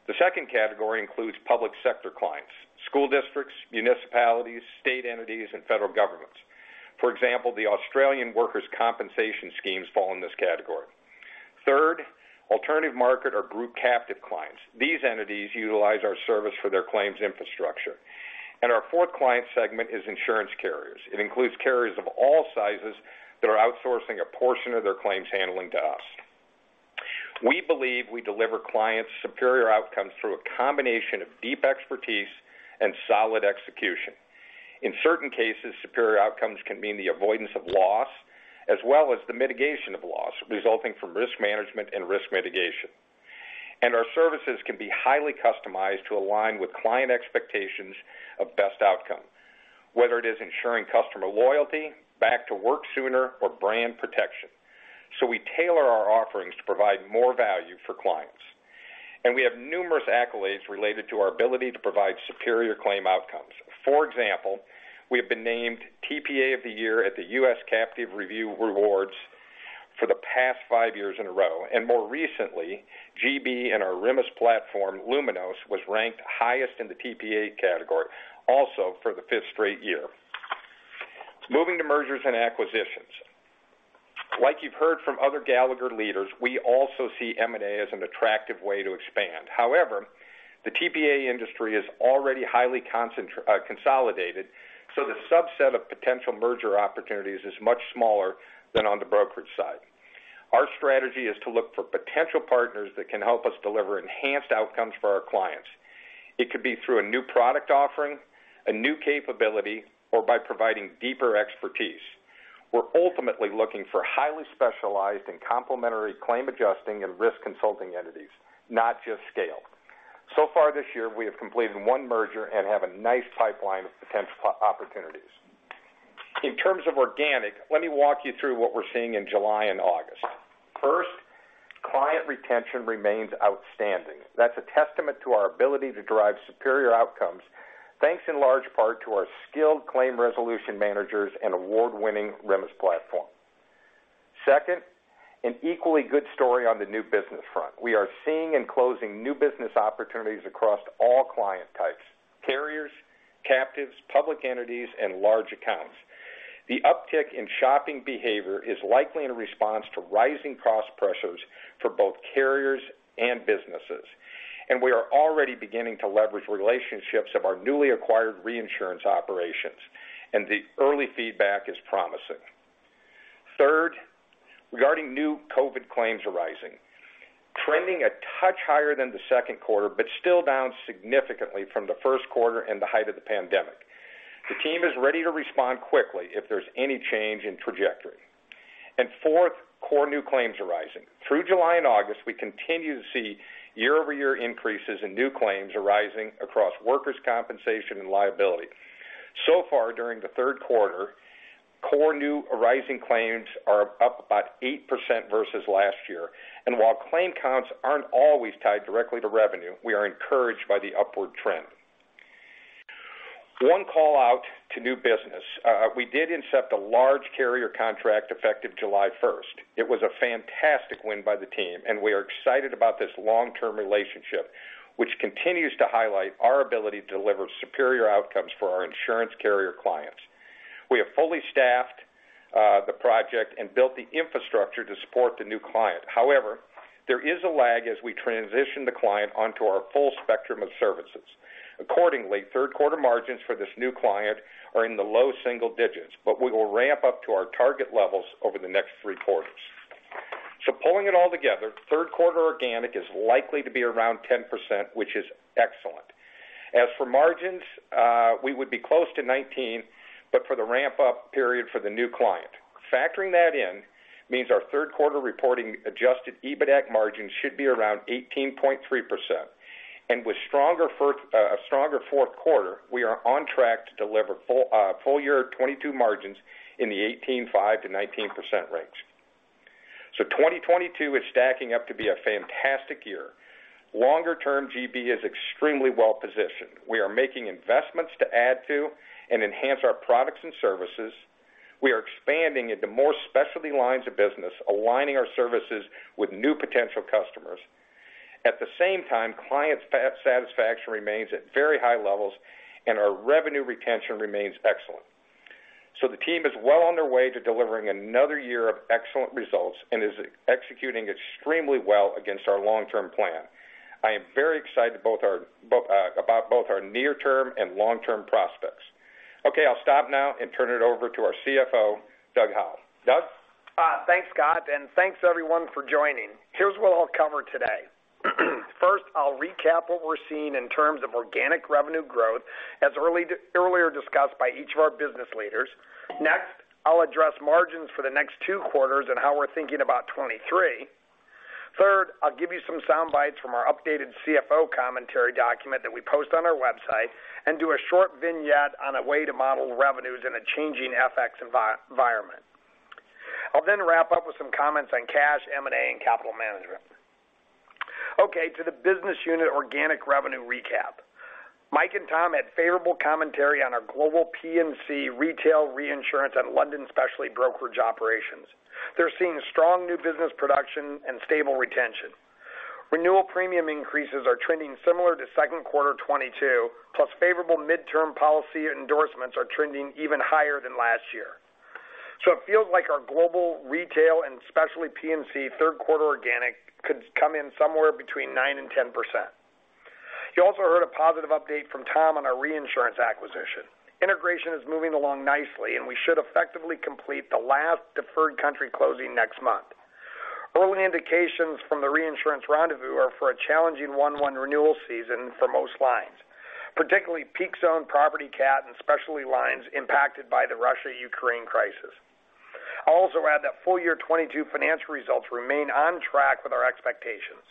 The second category includes public sector clients, school districts, municipalities, state entities, and federal governments. For example, the Australian workers' compensation schemes fall in this category. Third, alternative market or group captive clients. These entities utilize our service for their claims infrastructure. Our fourth client segment is insurance carriers. It includes carriers of all sizes that are outsourcing a portion of their claims handling to us. We believe we deliver clients superior outcomes through a combination of deep expertise and solid execution. In certain cases, superior outcomes can mean the avoidance of loss as well as the mitigation of loss resulting from risk management and risk mitigation. Our services can be highly customized to align with client expectations of best outcome, whether it is ensuring customer loyalty, back to work sooner or brand protection. We tailor our offerings to provide more value for clients. We have numerous accolades related to our ability to provide superior claim outcomes. For example, we have been named TPA of the Year at the US Captive Review Awards for the past five years in a row, and more recently, GB and our RMIS platform, Luminos, was ranked highest in the TPA category also for the fifth straight year. Moving to mergers and acquisitions. Like you've heard from other Gallagher leaders, we also see M&A as an attractive way to expand. However, the TPA industry is already highly consolidated, so the subset of potential merger opportunities is much smaller than on the brokerage side. Our strategy is to look for potential partners that can help us deliver enhanced outcomes for our clients. It could be through a new product offering, a new capability, or by providing deeper expertise. We're ultimately looking for highly specialized and complementary claim adjusting and risk consulting entities, not just scale. So far this year, we have completed one merger and have a nice pipeline of potential opportunities. In terms of organic, let me walk you through what we're seeing in July and August. First, client retention remains outstanding. That's a testament to our ability to drive superior outcomes, thanks in large part to our skilled claim resolution managers and award-winning RMIS platform. Second, an equally good story on the new business front. We are seeing and closing new business opportunities across all client types, carriers, captives, public entities, and large accounts. The uptick in shopping behavior is likely in response to rising cost pressures for both carriers and businesses, and we are already beginning to leverage relationships of our newly acquired reinsurance operations, and the early feedback is promising. Third, regarding new COVID claims arising, trending a touch higher than the second quarter, but still down significantly from the first quarter and the height of the pandemic. The team is ready to respond quickly if there's any change in trajectory. Fourth, core new claims arising. Through July and August, we continue to see year-over-year increases in new claims arising across workers' compensation and liability. So far during the third quarter, core new arising claims are up about 8% versus last year. While claim counts aren't always tied directly to revenue, we are encouraged by the upward trend. One call-out to new business. We did incept a large carrier contract effective July 1. It was a fantastic win by the team, and we are excited about this long-term relationship, which continues to highlight our ability to deliver superior outcomes for our insurance carrier clients. We have fully staffed the project and built the infrastructure to support the new client. However, there is a lag as we transition the client onto our full spectrum of services. Accordingly, third quarter margins for this new client are in the low single digits, but we will ramp up to our target levels over the next three quarters. Pulling it all together, third quarter organic is likely to be around 10%, which is excellent. As for margins, we would be close to 19%, but for the ramp-up period for the new client. Factoring that in means our third quarter reporting adjusted EBITAC margin should be around 18.3%. With a stronger fourth quarter, we are on track to deliver full year 2022 margins in the 18.5%-19% range. 2022 is stacking up to be a fantastic year. Longer term, GB is extremely well positioned. We are making investments to add to and enhance our products and services. We are expanding into more specialty lines of business, aligning our services with new potential customers. At the same time, client satisfaction remains at very high levels, and our revenue retention remains excellent. The team is well on their way to delivering another year of excellent results and is executing extremely well against our long-term plan. I am very excited about both our near-term and long-term prospects. Okay, I'll stop now and turn it over to our CFO, Doug Howell. Doug? Thanks, Scott, and thanks everyone for joining. Here's what I'll cover today. First, I'll recap what we're seeing in terms of organic revenue growth as earlier discussed by each of our business leaders. Next, I'll address margins for the next two quarters and how we're thinking about 2023. Third, I'll give you some sound bites from our updated CFO commentary document that we post on our website and do a short vignette on a way to model revenues in a changing FX environment. I'll then wrap up with some comments on cash, M&A, and capital management. Okay, to the business unit organic revenue recap. Mike and Tom had favorable commentary on our global P&C retail reinsurance and London specialty brokerage operations. They're seeing strong new business production and stable retention. Renewal premium increases are trending similar to second quarter 2022, plus favorable midterm policy endorsements are trending even higher than last year. It feels like our global retail and specialty P&C third quarter organic could come in somewhere between 9%-10%. You also heard a positive update from Tom on our reinsurance acquisition. Integration is moving along nicely, and we should effectively complete the last deferred country closing next month. Early indications from the Reinsurance Rendez-Vous are for a challenging 1/1 renewal season for most lines, particularly peak zone property cat and specialty lines impacted by the Russia-Ukraine crisis. I'll also add that full year 2022 financial results remain on track with our expectations.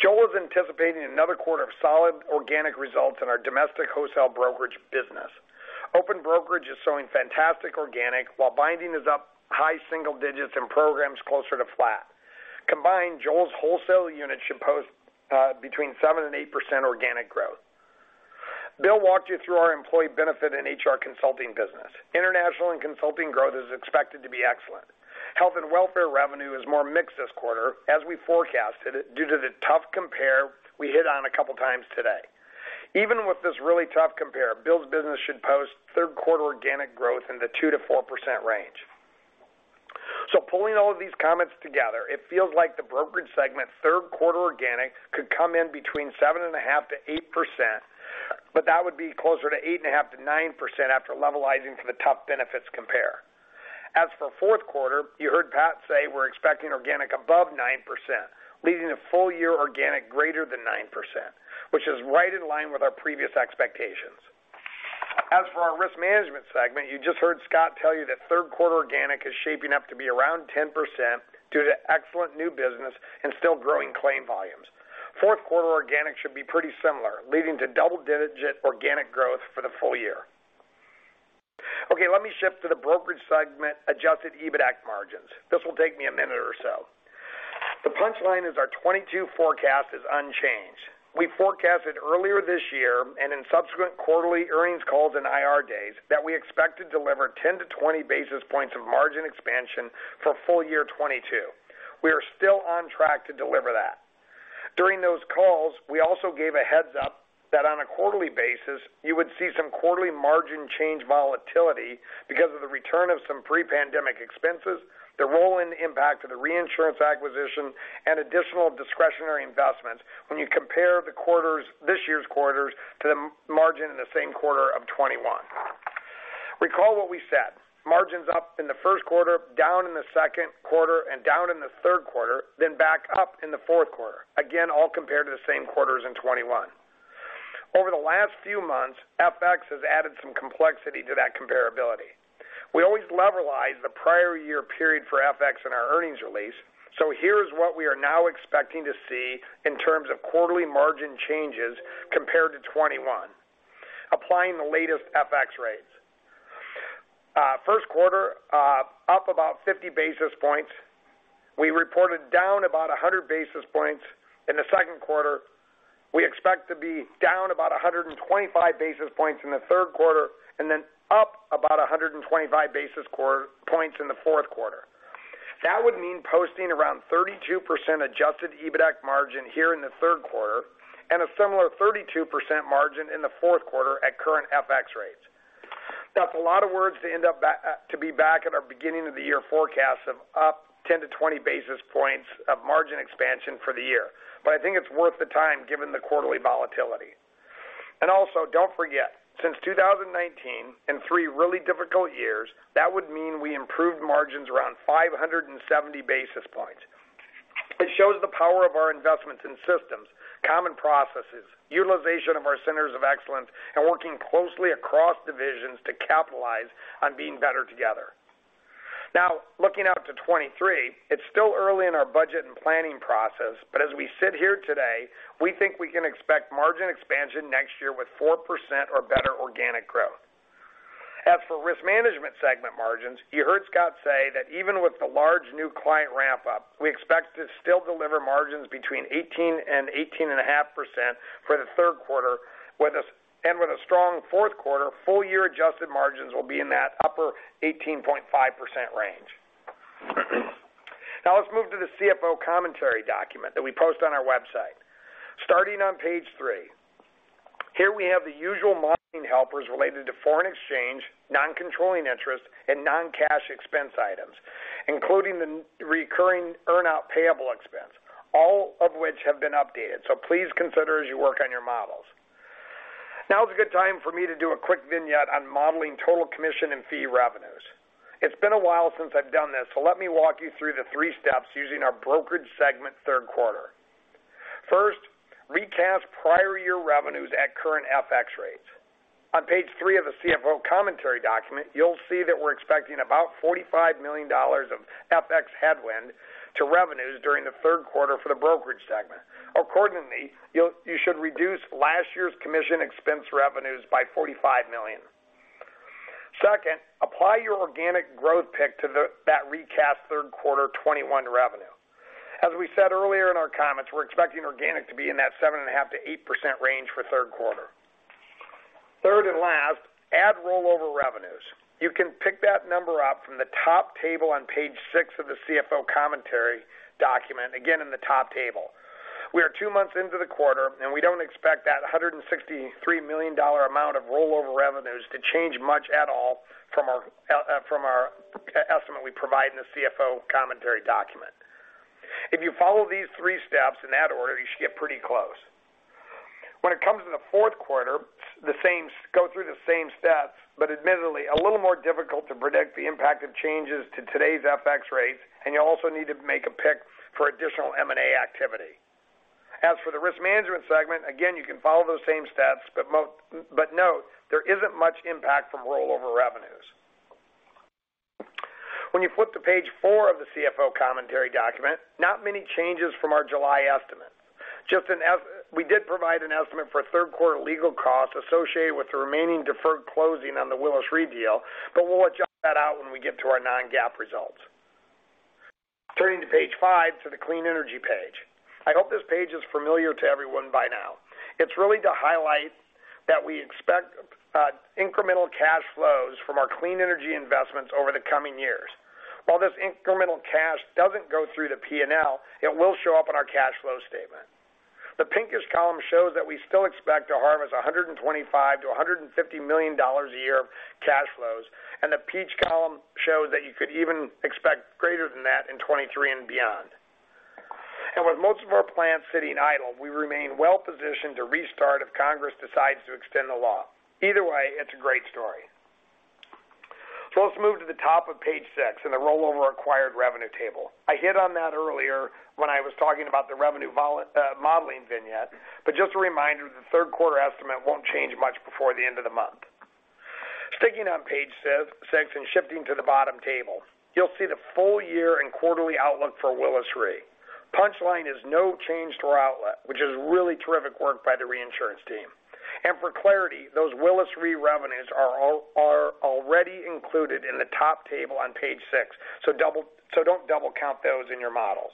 Joel is anticipating another quarter of solid organic results in our domestic wholesale brokerage business. Open brokerage is showing fantastic organic while binding is up high single digits and programs closer to flat. Combined, Joel's wholesale unit should post between 7%-8% organic growth. Bill walked you through our employee benefit and HR consulting business. International and consulting growth is expected to be excellent. Health and welfare revenue is more mixed this quarter as we forecasted it due to the tough compare we hit on a couple times today. Even with this really tough compare, Bill's business should post third quarter organic growth in the 2%-4% range. Pulling all of these comments together, it feels like the brokerage segment third quarter organic could come in between 7.5%-8%, but that would be closer to 8.5%-9% after levelizing for the tough benefits compare. As for fourth quarter, you heard Pat say we're expecting organic above 9%, leading to full year organic greater than 9%, which is right in line with our previous expectations. As for our risk management segment, you just heard Scott tell you that third quarter organic is shaping up to be around 10% due to excellent new business and still growing claim volumes. Fourth quarter organic should be pretty similar, leading to double-digit organic growth for the full year. Okay, let me shift to the brokerage segment adjusted EBITAC margins. This will take me a minute or so. The punchline is our 2022 forecast is unchanged. We forecasted earlier this year and in subsequent quarterly earnings calls and IR days that we expect to deliver 10-20 basis points of margin expansion for full year 2022. We are still on track to deliver that. During those calls, we also gave a heads up that on a quarterly basis, you would see some quarterly margin change volatility because of the return of some pre-pandemic expenses, the roll-in impact of the reinsurance acquisition, and additional discretionary investment when you compare the quarters, this year's quarters to the margin in the same quarter of 2021. Recall what we said, margins up in the first quarter, down in the second quarter, and down in the third quarter, then back up in the fourth quarter, again, all compared to the same quarters in 2021. Over the last few months, FX has added some complexity to that comparability. We always levelize the prior year period for FX in our earnings release, so here's what we are now expecting to see in terms of quarterly margin changes compared to 2021. Applying the latest FX rates. First quarter up about 50 basis points. We reported down about 100 basis points in the second quarter. We expect to be down about 125 basis points in the third quarter, and then up about 125 basis points in the fourth quarter. That would mean posting around 32% adjusted EBITAC margin here in the third quarter, and a similar 32% margin in the fourth quarter at current FX rates. That's a lot of words to end up to be back at our beginning of the year forecast of up 10-20 basis points of margin expansion for the year. I think it's worth the time given the quarterly volatility. Also, don't forget, since 2019, in three really difficult years, that would mean we improved margins around 570 basis points. It shows the power of our investments in systems, common processes, utilization of our Centers of Excellence, and working closely across divisions to capitalize on being better together. Now, looking out to 2023, it's still early in our budget and planning process, but as we sit here today, we think we can expect margin expansion next year with 4% or better organic growth. As for risk management segment margins, you heard Scott say that even with the large new client ramp-up, we expect to still deliver margins between 18% and 18.5% for the third quarter with a strong fourth quarter, full year adjusted margins will be in that upper 18.5% range. Now let's move to the CFO commentary document that we post on our website. Starting on page three. Here we have the usual modeling helpers related to foreign exchange, non-controlling interest, and non-cash expense items, including the non-recurring earn-out payable expense, all of which have been updated. Please consider as you work on your models. Now is a good time for me to do a quick vignette on modeling total commission and fee revenues. It's been a while since I've done this, so let me walk you through the three steps using our brokerage segment third quarter. First, recast prior year revenues at current FX rates. On page three of the CFO commentary document, you'll see that we're expecting about $45 million of FX headwind to revenues during the third quarter for the brokerage segment. Accordingly, you should reduce last year's commission and fee revenues by $45 million. Second, apply your organic growth pick to that recast third quarter 2021 revenue. As we said earlier in our comments, we're expecting organic to be in that 7.5%-8% range for third quarter. Third and last, add rollover revenues. You can pick that number up from the top table on page 6 of the CFO commentary document, again, in the top table. We are two months into the quarter, and we don't expect that $163 million amount of rollover revenues to change much at all from our estimate we provide in the CFO commentary document. If you follow these three steps in that order, you should get pretty close. When it comes to the fourth quarter, go through the same steps, but admittedly a little more difficult to predict the impact of changes to today's FX rates, and you also need to make a pick for additional M&A activity. As for the risk management segment, again, you can follow those same steps, but note there isn't much impact from rollover revenues. When you flip to page four of the CFO commentary document, not many changes from our July estimate. We did provide an estimate for third quarter legal costs associated with the remaining deferred closing on the Willis Re deal, but we'll lay that out when we get to our non-GAAP results. Turning to page five for the clean energy page. I hope this page is familiar to everyone by now. It's really to highlight that we expect incremental cash flows from our clean energy investments over the coming years. While this incremental cash doesn't go through the P&L, it will show up in our cash flow statement. The pinkish column shows that we still expect to harvest $125 million-$150 million a year of cash flows, and the peach column shows that you could even expect greater than that in 2023 and beyond. With most of our plants sitting idle, we remain well positioned to restart if Congress decides to extend the law. Either way, it's a great story. Let's move to the top of page six in the rollover acquired revenue table. I hit on that earlier when I was talking about the revenue modeling vignette, but just a reminder, the third quarter estimate won't change much before the end of the month. Sticking on page six and shifting to the bottom table, you'll see the full year and quarterly outlook for Willis Re. Punchline is no change to our outlook, which is really terrific work by the reinsurance team. For clarity, those Willis Re revenues are already included in the top table on page six, so don't double count those in your models.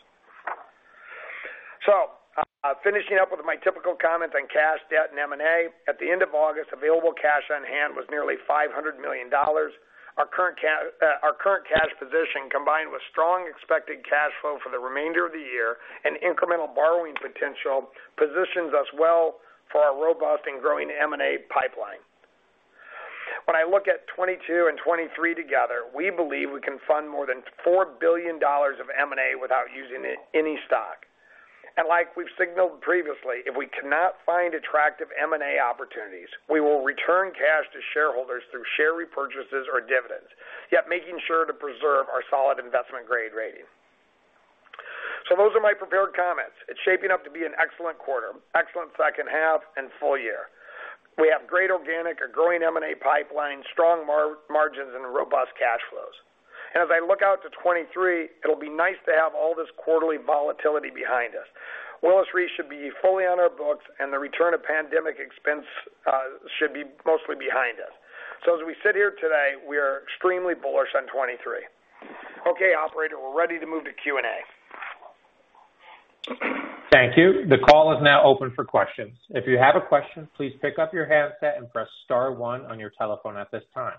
Finishing up with my typical comments on cash, debt, and M&A. At the end of August, available cash on hand was nearly $500 million. Our current cash position, combined with strong expected cash flow for the remainder of the year and incremental borrowing potential, positions us well for our robust and growing M&A pipeline. When I look at 2022 and 2023 together, we believe we can fund more than $4 billion of M&A without using any stock. Like we've signaled previously, if we cannot find attractive M&A opportunities, we will return cash to shareholders through share repurchases or dividends, yet making sure to preserve our solid investment grade rating. Those are my prepared comments. It's shaping up to be an excellent quarter, excellent second half, and full year. We have great organic, a growing M&A pipeline, strong margins, and robust cash flows. As I look out to 2023, it'll be nice to have all this quarterly volatility behind us. Willis Re should be fully on our books, and the return of pandemic expense should be mostly behind us. As we sit here today, we are extremely bullish on 2023. Okay, operator, we're ready to move to Q&A. Thank you. The call is now open for questions. If you have a question, please pick up your handset and press star one on your telephone at this time.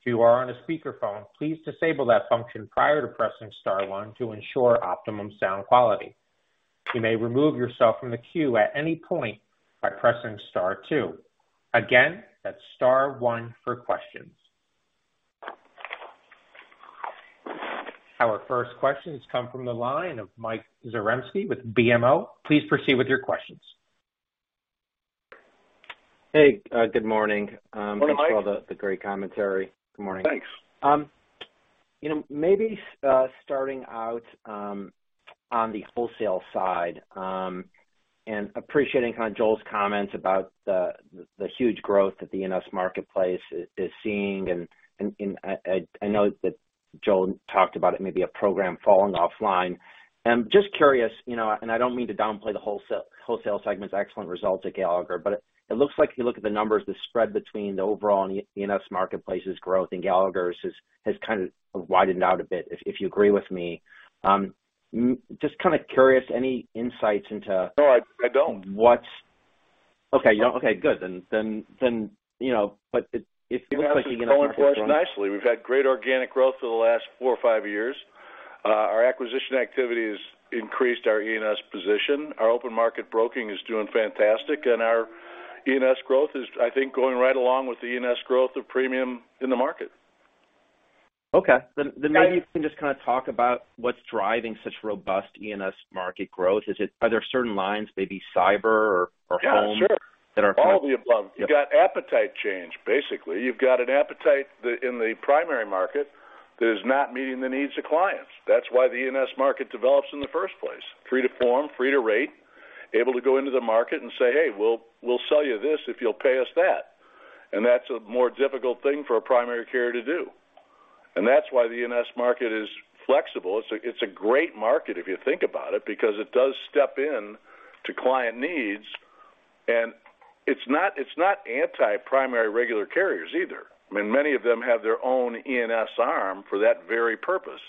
If you are on a speakerphone, please disable that function prior to pressing star one to ensure optimum sound quality. You may remove yourself from the queue at any point by pressing star two. Again, that's star one for questions. Our first question has come from the line of Mike Zaremski with BMO. Please proceed with your questions. Hey, good morning. Good morning, Mike. Thanks for all the great commentary. Good morning. Thanks. Starting out on the wholesale side, appreciating kind of Joel's comments about the huge growth that the E&S marketplace is seeing and I know that Joel talked about it, maybe a program falling offline. Just curious, you know, and I don't mean to downplay the wholesale segment's excellent results at Gallagher, but it looks like if you look at the numbers, the spread between the overall and E&S marketplace's growth in Gallagher's has kind of widened out a bit, if you agree with me. Just kind of curious, any insights into. No, I don't. You know, but it looks like E&S. It's going for us nicely. We've had great organic growth for the last four or five years. Our acquisition activity has increased our E&S position. Our open market broking is doing fantastic, and our E&S growth is, I think, going right along with the E&S growth of premium in the market. Okay. Maybe you can just kind of talk about what's driving such robust E&S market growth. Are there certain lines, maybe cyber or home- Yeah, sure. That are kind of- All of the above. You've got appetite change, basically. You've got an appetite in the primary market that is not meeting the needs of clients. That's why the E&S market develops in the first place, free to form, free to rate, able to go into the market and say, "Hey, we'll sell you this if you'll pay us that." That's a more difficult thing for a primary carrier to do. That's why the E&S market is flexible. It's a great market if you think about it, because it does step in to client needs. It's not anti-primary regular carriers either. I mean, many of them have their own E&S arm for that very purpose,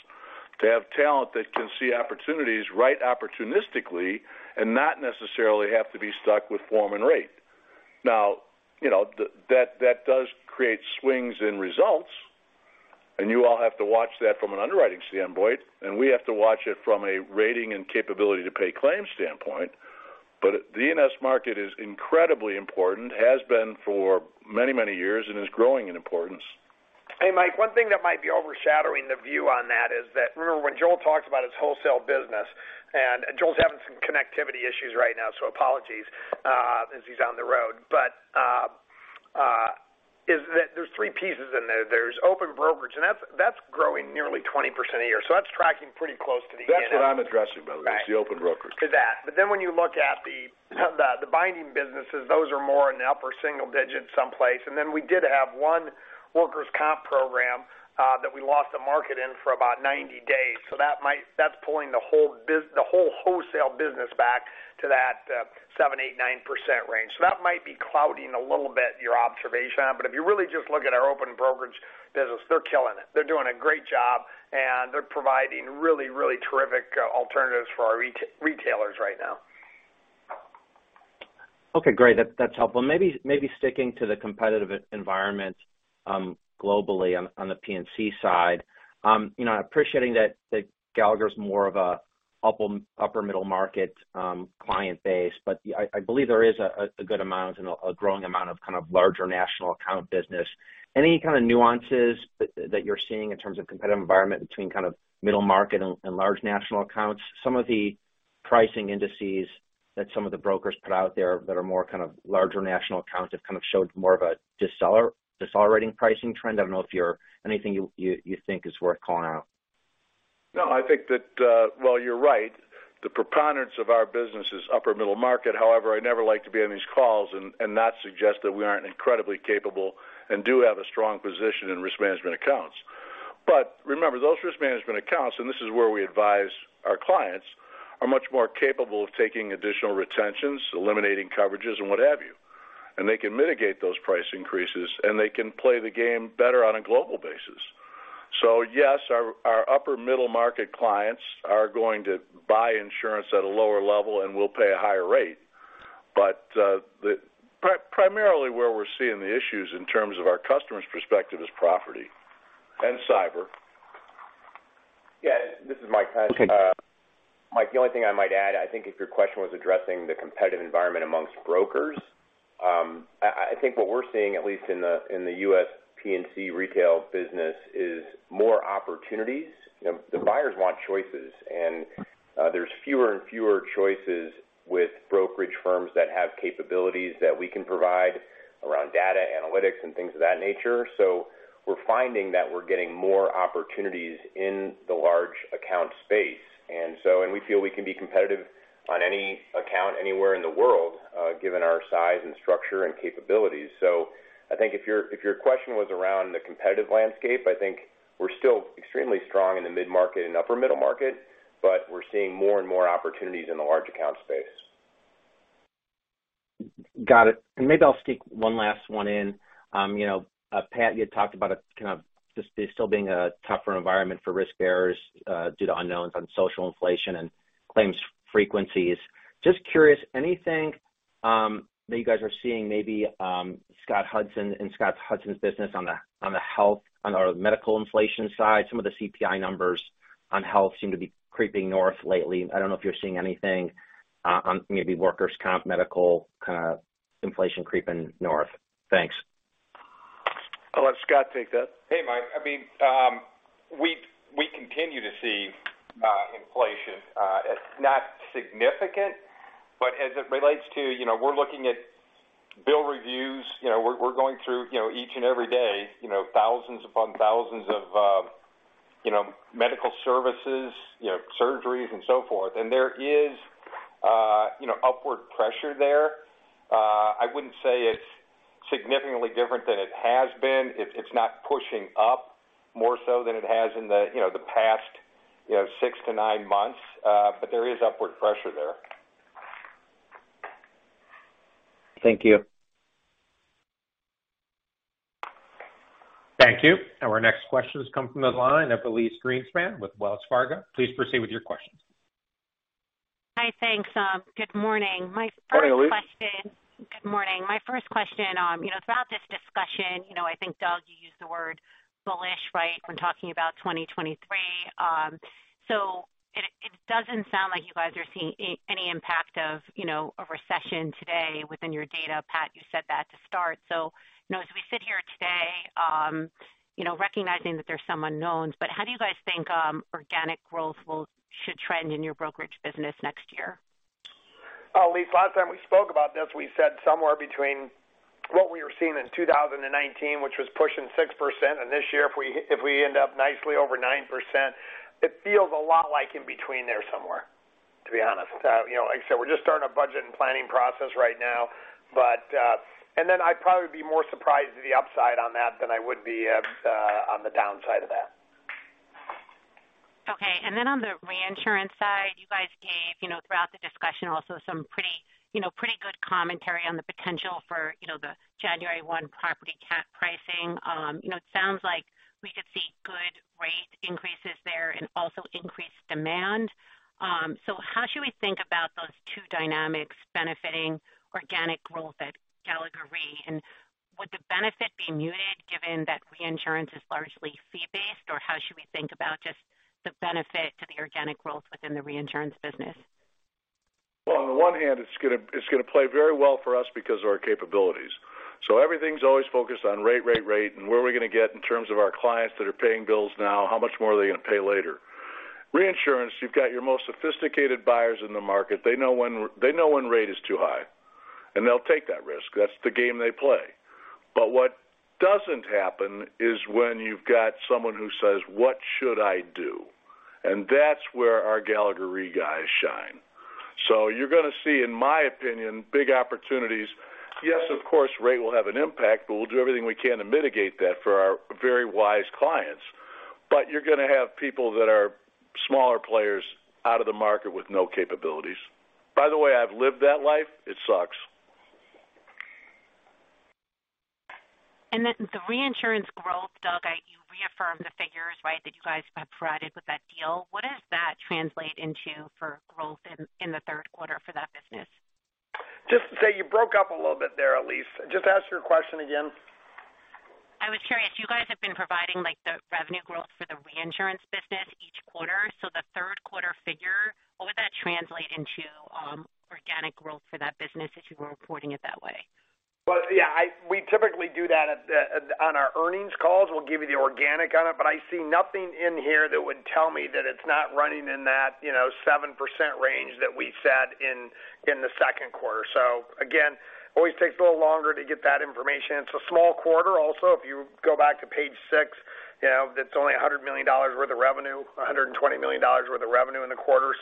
to have talent that can see opportunities right opportunistically and not necessarily have to be stuck with form and rate. Now, you know, that does create swings in results, and you all have to watch that from an underwriting standpoint, and we have to watch it from a rating and capability to pay claims standpoint. But the E&S market is incredibly important, has been for many, many years, and is growing in importance. Hey, Mike, one thing that might be overshadowing the view on that is that, remember when Joel talks about his wholesale business, and Joel's having some connectivity issues right now, so apologies, as he's on the road. But that is, there's three pieces in there. There's open brokerage, and that's growing nearly 20% a year, so that's tracking pretty close to the end. That's what I'm addressing, Doug. Right. It's the open brokerage. To that. When you look at the binding businesses, those are more in the upper single digits someplace. We did have one workers comp program that we lost a market in for about 90 days. That might be pulling the whole wholesale business back to that 7%-9% range. That might be clouding a little bit your observation on. If you really just look at our open brokerage business, they're killing it. They're doing a great job, and they're providing really, really terrific alternatives for our retailers right now. Okay, great. That's helpful. Maybe sticking to the competitive environment globally on the P&C side. You know, appreciating that Gallagher is more of a upper middle market client base, but I believe there is a good amount and a growing amount of kind of larger national account business. Any kind of nuances that you're seeing in terms of competitive environment between kind of middle market and large national accounts? Some of the pricing indices that some of the brokers put out there that are more kind of larger national accounts have kind of showed more of a decelerating pricing trend. I don't know if anything you think is worth calling out. No, I think that, well, you're right. The preponderance of our business is upper middle market. However, I never like to be on these calls and not suggest that we aren't incredibly capable and do have a strong position in risk management accounts. Remember, those risk management accounts, and this is where we advise our clients, are much more capable of taking additional retentions, eliminating coverages, and what have you. They can mitigate those price increases, and they can play the game better on a global basis. Yes, our upper middle market clients are going to buy insurance at a lower level and will pay a higher rate. Primarily where we're seeing the issues in terms of our customer's perspective is property and cyber. Yeah, this is Mike Pesch. Okay. Mike, the only thing I might add, I think if your question was addressing the competitive environment among brokers, I think what we're seeing, at least in the US P&C retail business, is more opportunities. You know, the buyers want choices, and there's fewer and fewer choices with brokerage firms that have capabilities that we can provide around data analytics and things of that nature. So we're finding that we're getting more opportunities in the large account space, and we feel we can be competitive on any account anywhere in the world, given our size and structure and capabilities. So I think if your question was around the competitive landscape, I think we're still extremely strong in the mid-market and upper middle market, but we're seeing more and more opportunities in the large account space. Got it. Maybe I'll stick one last one in. You know, Pat, you had talked about a kind of this still being a tougher environment for risk bearers due to unknowns on social inflation and claims frequencies. Just curious, anything that you guys are seeing maybe Scott Hudson in Scott Hudson's business on the health on our medical inflation side. Some of the CPI numbers on health seem to be creeping north lately. I don't know if you're seeing anything on maybe workers comp, medical kind of inflation creeping north. Thanks. I'll let Scott take that. Hey, Mike. I mean, we continue to see inflation as not significant, but as it relates to, you know, we're looking at bill reviews. You know, we're going through, you know, each and every day, you know, thousands upon thousands of medical services, you know, surgeries and so forth. There is upward pressure there. I wouldn't say it's significantly different than it has been. It's not pushing up more so than it has in the past six to nine months, but there is upward pressure there. Thank you. Thank you. Our next question has come from the line of Elyse Greenspan with Wells Fargo. Please proceed with your questions. Hi. Thanks. Good morning. My first question. Good morning, Elyse. Good morning. My first question, you know, throughout this discussion, you know, I think, Doug, you used the word bullish, right? When talking about 2023. It doesn't sound like you guys are seeing any impact of, you know, a recession today within your data. Pat, you said that to start. You know, as we sit here today, you know, recognizing that there's some unknowns, but how do you guys think organic growth should trend in your brokerage business next year? Elyse, last time we spoke about this, we said somewhere between what we were seeing in 2019, which was pushing 6%, and this year if we end up nicely over 9%, it feels a lot like in between there somewhere, to be honest. You know, like I said, we're just starting a budget and planning process right now, but. Then I'd probably be more surprised at the upside on that than I would be on the downside of that. Okay. Then on the reinsurance side, you guys gave, you know, throughout the discussion also some pretty, you know, pretty good commentary on the potential for, you know, the January 1 property cat pricing. You know, it sounds like we could see good rate increases there and also increased demand. How should we think about those two dynamics benefiting organic growth at Gallagher Re? Would the benefit be muted? Think about just the benefit to the organic growth within the reinsurance business. Well, on the one hand, it's gonna play very well for us because of our capabilities. Everything's always focused on rate, rate, and where are we gonna get in terms of our clients that are paying bills now, how much more are they gonna pay later? Reinsurance, you've got your most sophisticated buyers in the market. They know when rate is too high, and they'll take that risk. That's the game they play. What doesn't happen is when you've got someone who says, "What should I do?" That's where our Gallagher Re guys shine. You're gonna see, in my opinion, big opportunities. Yes, of course, rate will have an impact, but we'll do everything we can to mitigate that for our very wise clients. You're gonna have people that are smaller players out of the market with no capabilities. By the way, I've lived that life. It sucks. The reinsurance growth, Doug, you reaffirmed the figures, right, that you guys have provided with that deal. What does that translate into for growth in the third quarter for that business? Just say you broke up a little bit there, Elyse. Just ask your question again. I was curious, you guys have been providing like the revenue growth for the reinsurance business each quarter. The third quarter figure, what would that translate into, organic growth for that business if you were reporting it that way? Well, yeah, we typically do that on our earnings calls. We'll give you the organic on it. I see nothing in here that would tell me that it's not running in that, you know, 7% range that we set in the second quarter. Again, always takes a little longer to get that information. It's a small quarter also. If you go back to page six, you know, that's only $100 million worth of revenue, $120 million worth of revenue in the quarter.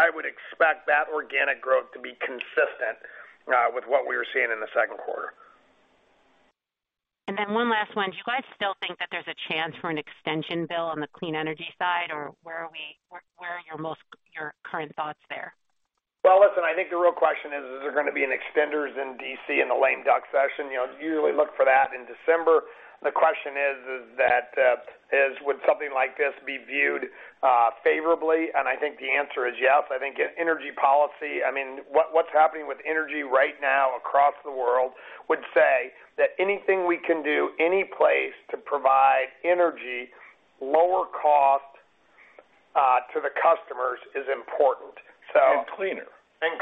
I would expect that organic growth to be consistent with what we were seeing in the second quarter. One last one. Do you guys still think that there's a chance for an extension bill on the clean energy side, or where are your current thoughts there? Well, listen, I think the real question is there gonna be an extenders in D.C. in the lame duck session? You know, you usually look for that in December. The question is, would something like this be viewed favorably? I think the answer is yes. I think an energy policy, I mean, what's happening with energy right now across the world would say that anything we can do, any place to provide energy, lower cost to the customers is important. Cleaner.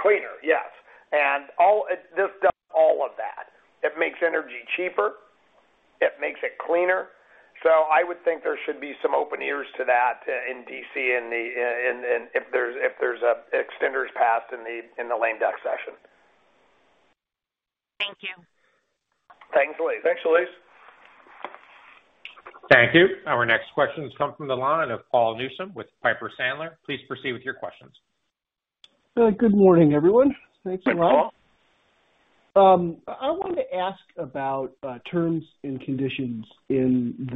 Cleaner, yes. This does all of that. It makes energy cheaper. It makes it cleaner. I would think there should be some open ears to that in D.C. if there's extenders passed in the lame duck session. Thank you. Thanks, Elyse. Thanks, Elyse. Thank you. Our next question comes from the line of Paul Newsome with Piper Sandler. Please proceed with your questions. Good morning, everyone. Thanks a lot. Hey, Paul. I wanted to ask about terms and conditions in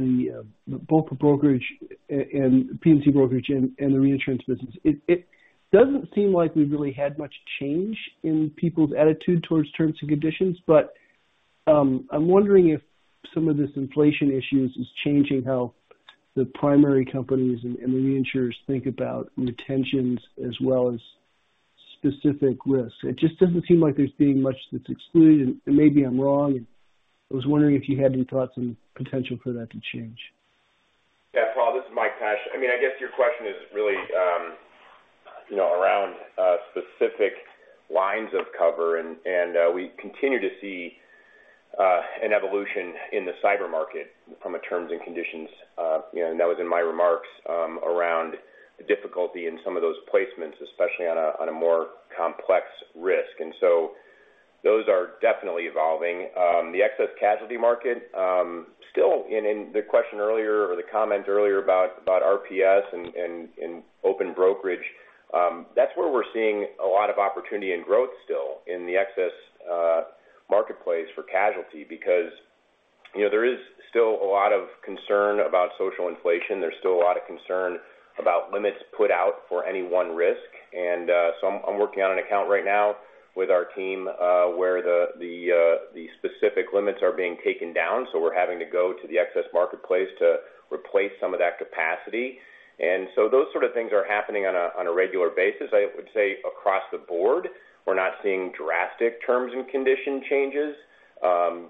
the wholesale brokerage and P&C brokerage and the reinsurance business. It doesn't seem like we really had much change in people's attitude towards terms and conditions, but I'm wondering if some of this inflation issues is changing how the primary companies and the reinsurers think about retentions as well as specific risks. It just doesn't seem like there's being much that's excluded, and maybe I'm wrong. I was wondering if you had any thoughts on potential for that to change. Yeah. Paul, this is Mike Pesch. I mean, I guess your question is really, you know, around specific lines of cover, and we continue to see an evolution in the cyber market from a terms and conditions. You know, that was in my remarks, around difficulty in some of those placements, especially on a more complex risk. Those are definitely evolving. The excess casualty market, still in the question earlier or the comment earlier about RPS and open brokerage, that's where we're seeing a lot of opportunity and growth still in the excess marketplace for casualty because, you know, there is still a lot of concern about social inflation. There's still a lot of concern about limits put out for any one risk. I'm working on an account right now with our team, where the specific limits are being taken down, so we're having to go to the excess marketplace to replace some of that capacity. Those sort of things are happening on a regular basis. I would say across the board, we're not seeing drastic terms and conditions changes,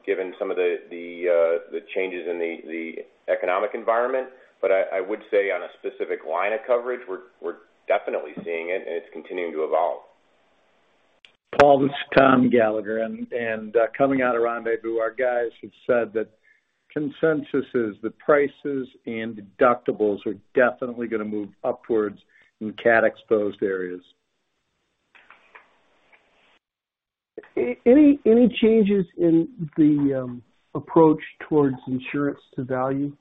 given some of the changes in the economic environment. I would say on a specific line of coverage, we're definitely seeing it, and it's continuing to evolve. Paul, this is Tom Gallagher. Coming out of Rendez-Vous, our guys have said that consensus is the prices and deductibles are definitely gonna move upwards in cat-exposed areas. Any changes in the approach towards insurance to value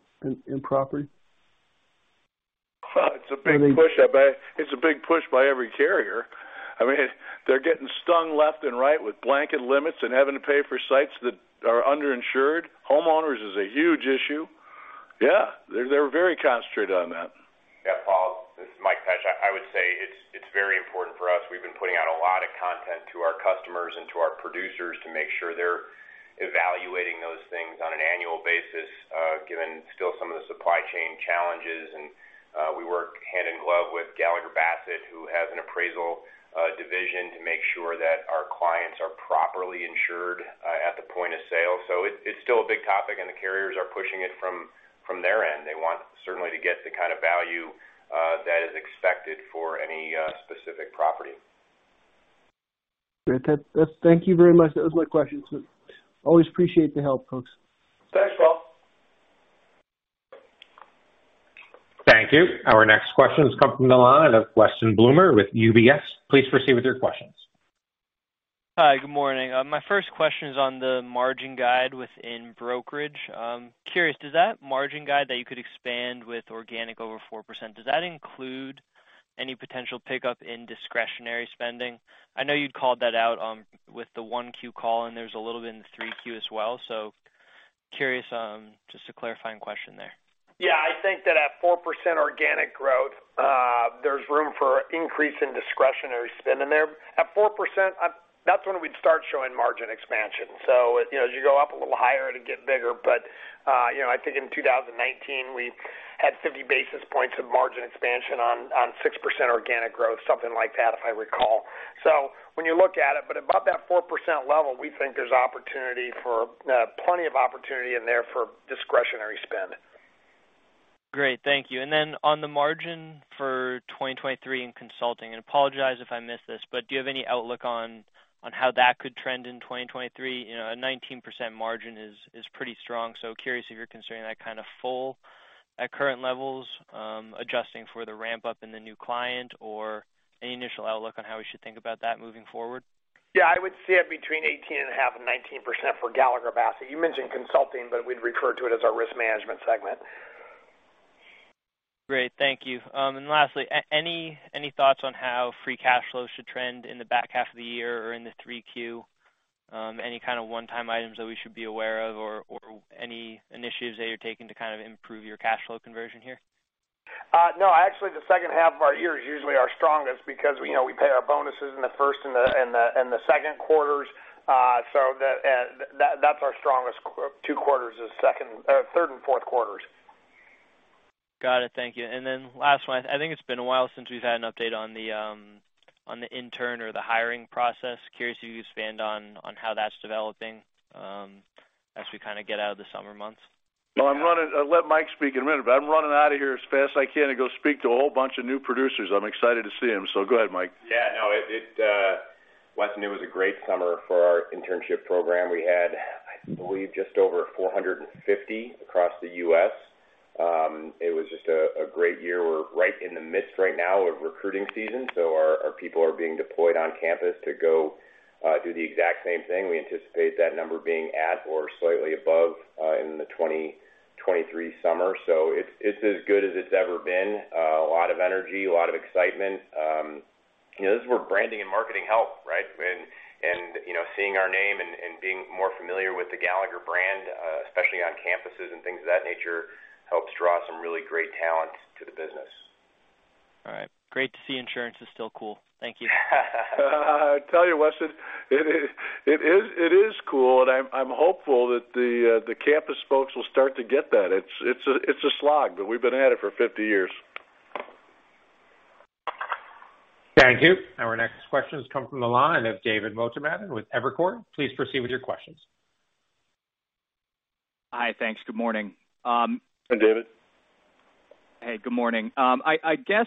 in property? Well, it's a big push. I bet it's a big push by every carrier. I mean, they're getting stung left and right with blanket limits and having to pay for sites that are underinsured. Homeowners is a huge issue. Yeah, they're very concentrated on that. Yeah. Paul, this is Mike Pesch. I would say it's very important for us. We've been putting out a lot of content to our customers and to our producers to make sure they're evaluating those things on an annual basis, given still some of the supply chain challenges and we work hand in glove with Gallagher Bassett, who has an appraisal division to make sure that our clients are properly insured at the point of sale. It's still a big topic, and the carriers are pushing it from their end. They want certainly to get the kind of value that is expected for any specific property. Great. That's thank you very much. That was my questions. Always appreciate the help, folks. Thanks, Paul. Thank you. Our next question has come from the line of Weston Bloomer with UBS. Please proceed with your questions. Hi. Good morning. My first question is on the margin guide within brokerage. Curious, does that margin guide that you could expand with organic over 4%, does that include any potential pickup in discretionary spending? I know you'd called that out with the 1Q call, and there's a little bit in the 3Q as well. Curious, just a clarifying question there. Yeah, I think that at 4% organic growth, there's room for increase in discretionary spend in there. At 4%, that's when we'd start showing margin expansion. You know, as you go up a little higher, it'd get bigger. You know, I think in 2019, we had 50 basis points of margin expansion on six percent organic growth, something like that, if I recall. When you look at it, but above that 4% level, we think there's opportunity for plenty of opportunity in there for discretionary spend. Great. Thank you. On the margin for 2023 in consulting, and apologize if I missed this, but do you have any outlook on how that could trend in 2023? You know, a 19% margin is pretty strong. Curious if you're considering that kind of full at current levels, adjusting for the ramp-up in the new client or any initial outlook on how we should think about that moving forward. Yeah, I would see it between 18.5% and 19% for Gallagher Bassett. You mentioned consulting, but we'd refer to it as our risk management segment. Great. Thank you. Lastly, any thoughts on how free cash flows should trend in the back half of the year or in the 3Q? Any kind of one-time items that we should be aware of or any initiatives that you're taking to kind of improve your cash flow conversion here? No, actually, the second half of our year is usually our strongest because, you know, we pay our bonuses in the first and the second quarters. That's our strongest two quarters, third and fourth quarters. Got it. Thank you. Last one, I think it's been a while since we've had an update on the internal hiring process. Curious if you could expand on how that's developing, as we kind of get out of the summer months. No, I'm running, I'll let Mike speak in a minute, but I'm running out of here as fast I can to go speak to a whole bunch of new producers. I'm excited to see them. Go ahead, Mike. Yeah, no, Weston, it was a great summer for our internship program. We had, I believe, just over 450 across the US. It was just a great year. We're right in the midst right now of recruiting season, so our people are being deployed on campus to go do the exact same thing. We anticipate that number being at or slightly above in the 2023 summer. So it's as good as it's ever been. A lot of energy, a lot of excitement. You know, this is where branding and marketing help, right? And you know, seeing our name and being more familiar with the Gallagher brand, especially on campuses and things of that nature, helps draw some really great talent to the business. All right. Great to see insurance is still cool. Thank you. I tell you, Weston, it is cool, and I'm hopeful that the campus folks will start to get that. It's a slog, but we've been at it for 50 years. Thank you. Our next question has come from the line of David Motemaden with Evercore. Please proceed with your questions. Hi. Thanks. Good morning. Hi, David. Hey, good morning. I guess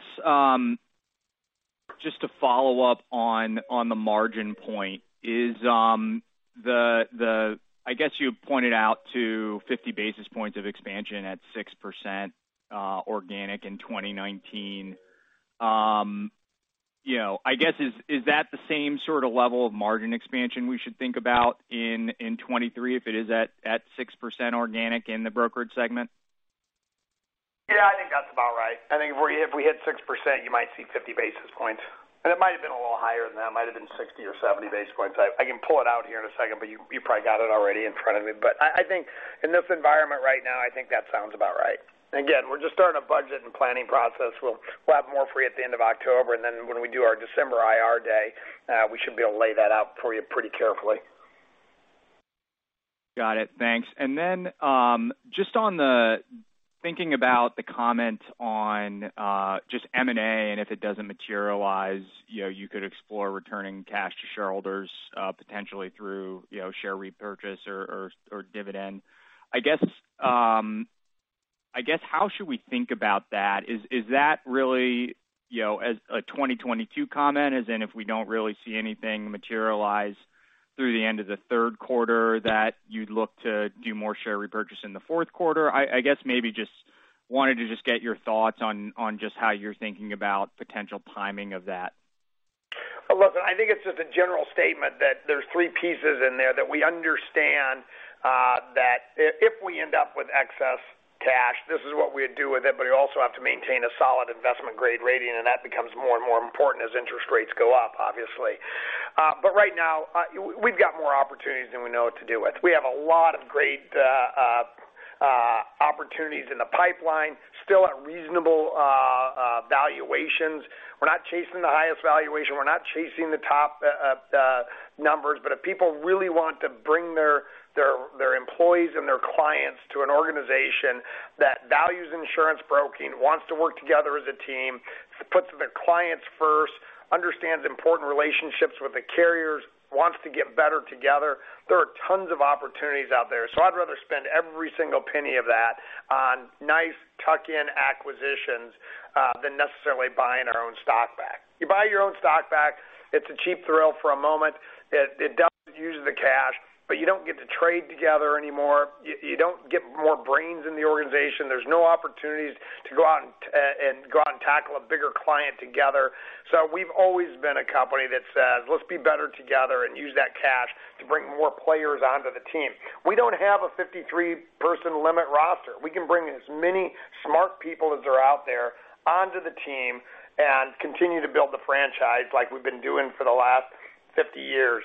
just to follow up on the margin point. I guess you pointed out 50 basis points of expansion at 6% organic in 2019. You know, I guess, is that the same sort of level of margin expansion we should think about in 2023 if it is at 6% organic in the brokerage segment? Yeah, I think that's about right. I think if we hit 6%, you might see 50 basis points. It might have been a little higher than that. Might have been 60 or 70 basis points. I can pull it out here in a second, but you probably got it already in front of you. I think in this environment right now, I think that sounds about right. Again, we're just starting a budget and planning process. We'll have more free at the end of October, and then when we do our December IR Day, we should be able to lay that out for you pretty carefully. Got it. Thanks. Just on the thinking about the comment on just M&A, and if it doesn't materialize, you know, you could explore returning cash to shareholders, potentially through, you know, share repurchase or dividend. I guess, how should we think about that? Is that really, you know, as a 2022 comment, as in, if we don't really see anything materialize through the end of the third quarter, that you'd look to do more share repurchase in the fourth quarter? I guess maybe just wanted to just get your thoughts on just how you're thinking about potential timing of that. Well, listen, I think it's just a general statement that there's three pieces in there that we understand that if we end up with excess cash, this is what we'd do with it, but we also have to maintain a solid investment grade rating, and that becomes more and more important as interest rates go up, obviously. But right now, we've got more opportunities than we know what to do with. We have a lot of great opportunities in the pipeline, still at reasonable valuations. We're not chasing the highest valuation, we're not chasing the top numbers, but if people really want to bring their employees and their clients to an organization that values insurance broking, wants to work together as a team, puts the clients first, understands important relationships with the carriers, wants to get better together. There are tons of opportunities out there, so I'd rather spend every single penny of that on nice tuck-in acquisitions than necessarily buying our own stock back. You buy your own stock back, it's a cheap thrill for a moment. It does use the cash, but you don't get to trade together anymore. You don't get more brains in the organization. There's no opportunities to go out and tackle a bigger client together. We've always been a company that says, let's be better together and use that cash to bring more players onto the team. We don't have a 53-person limit roster. We can bring as many smart people as are out there onto the team and continue to build the franchise like we've been doing for the last 50 years.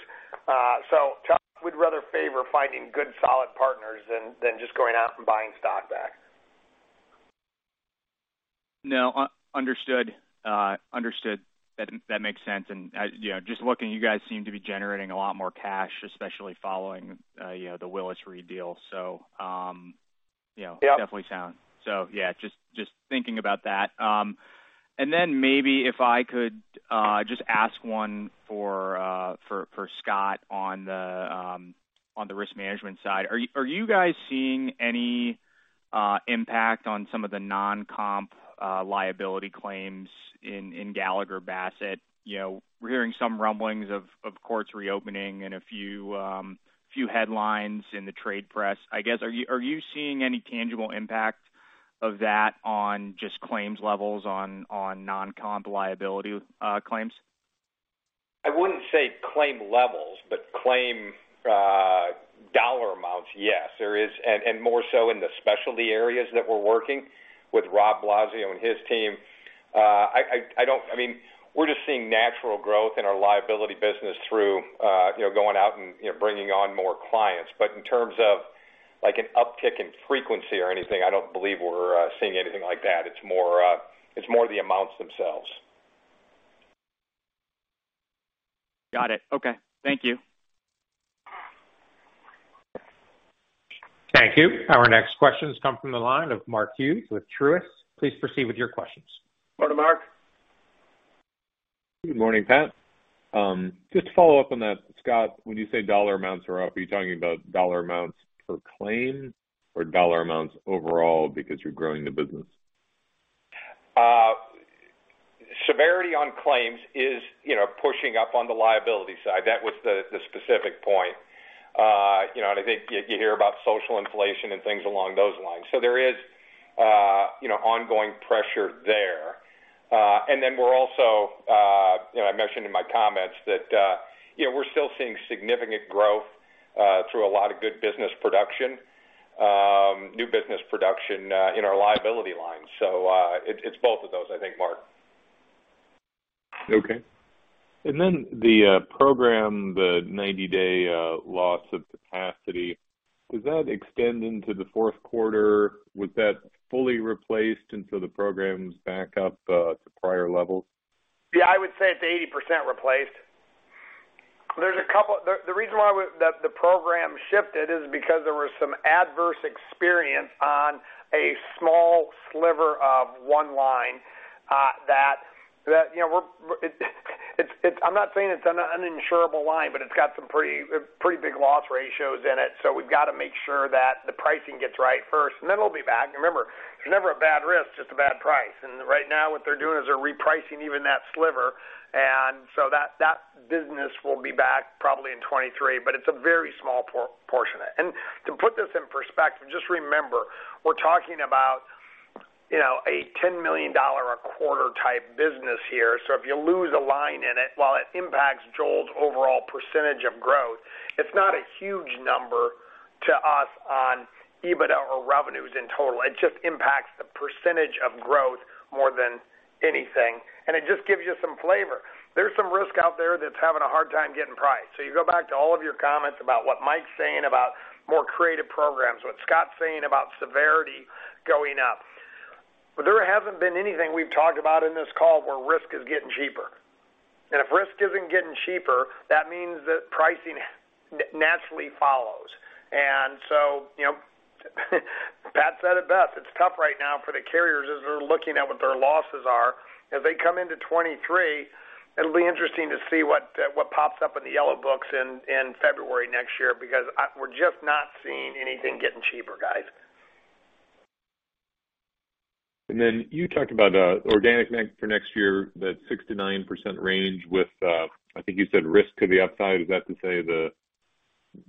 Chuck would rather favor finding good, solid partners than just going out and buying stock back. Understood. That makes sense. You know, just looking, you guys seem to be generating a lot more cash, especially following, you know, the Willis Re deal. You know- Yeah. That definitely sounds. Yeah, just thinking about that. Then maybe if I could just ask one for Scott on the risk management side. Are you guys seeing any impact on some of the non-comp liability claims in Gallagher Bassett? You know, we're hearing some rumblings of courts reopening and a few headlines in the trade press. I guess, are you seeing any tangible impact of that on just claims levels on non-comp liability claims? I wouldn't say claim levels, but claim dollar amounts, yes, there is. More so in the specialty areas that we're working with Rob Blasio and his team. I mean, we're just seeing natural growth in our liability business through you know, going out and you know, bringing on more clients. In terms of like an uptick in frequency or anything, I don't believe we're seeing anything like that. It's more the amounts themselves. Got it. Okay. Thank you. Thank you. Our next questions come from the line of Mark Hughes with Truist. Please proceed with your questions. Morning, Mark. Good morning, Pat. Just to follow up on that, Scott, when you say dollar amounts are up, are you talking about dollar amounts per claim or dollar amounts overall because you're growing the business? Severity on claims is, you know, pushing up on the liability side. That was the specific point. You know, and I think you hear about social inflation and things along those lines. There is, you know, ongoing pressure there. We're also, you know, I mentioned in my comments that, you know, we're still seeing significant growth through a lot of good business production, new business production, in our liability lines. It's both of those, I think, Mark. Okay. Then the program, the 90-day loss of capacity, does that extend into the fourth quarter? Was that fully replaced until the program's back up to prior levels? Yeah, I would say it's 80% replaced. The reason the program shifted is because there was some adverse experience on a small sliver of one line that you know. I'm not saying it's an uninsurable line, but it's got some pretty big loss ratios in it, so we've got to make sure that the pricing gets right first, and then it'll be back. Remember, there's never a bad risk, just a bad price. Right now, what they're doing is they're repricing even that sliver. That business will be back probably in 2023, but it's a very small proportion. To put this in perspective, just remember, we're talking about, you know, a $10 million a quarter type business here. If you lose a line in it, while it impacts Joel's overall percentage of growth, it's not a huge number to us on EBITDA or revenues in total. It just impacts the percentage of growth more than anything. It just gives you some flavor. There's some risk out there that's having a hard time getting priced. You go back to all of your comments about what Mike's saying about more creative programs, what Scott's saying about severity going up. There hasn't been anything we've talked about in this call where risk is getting cheaper. If risk isn't getting cheaper, that means that pricing naturally follows. You know, Pat said it best. It's tough right now for the carriers as they're looking at what their losses are. As they come into 2023, it'll be interesting to see what pops up in the yellow books in February next year, because we're just not seeing anything getting cheaper, guys. You talked about organic mix for next year, that 6%-9% range with, I think you said risk to the upside. Is that to say the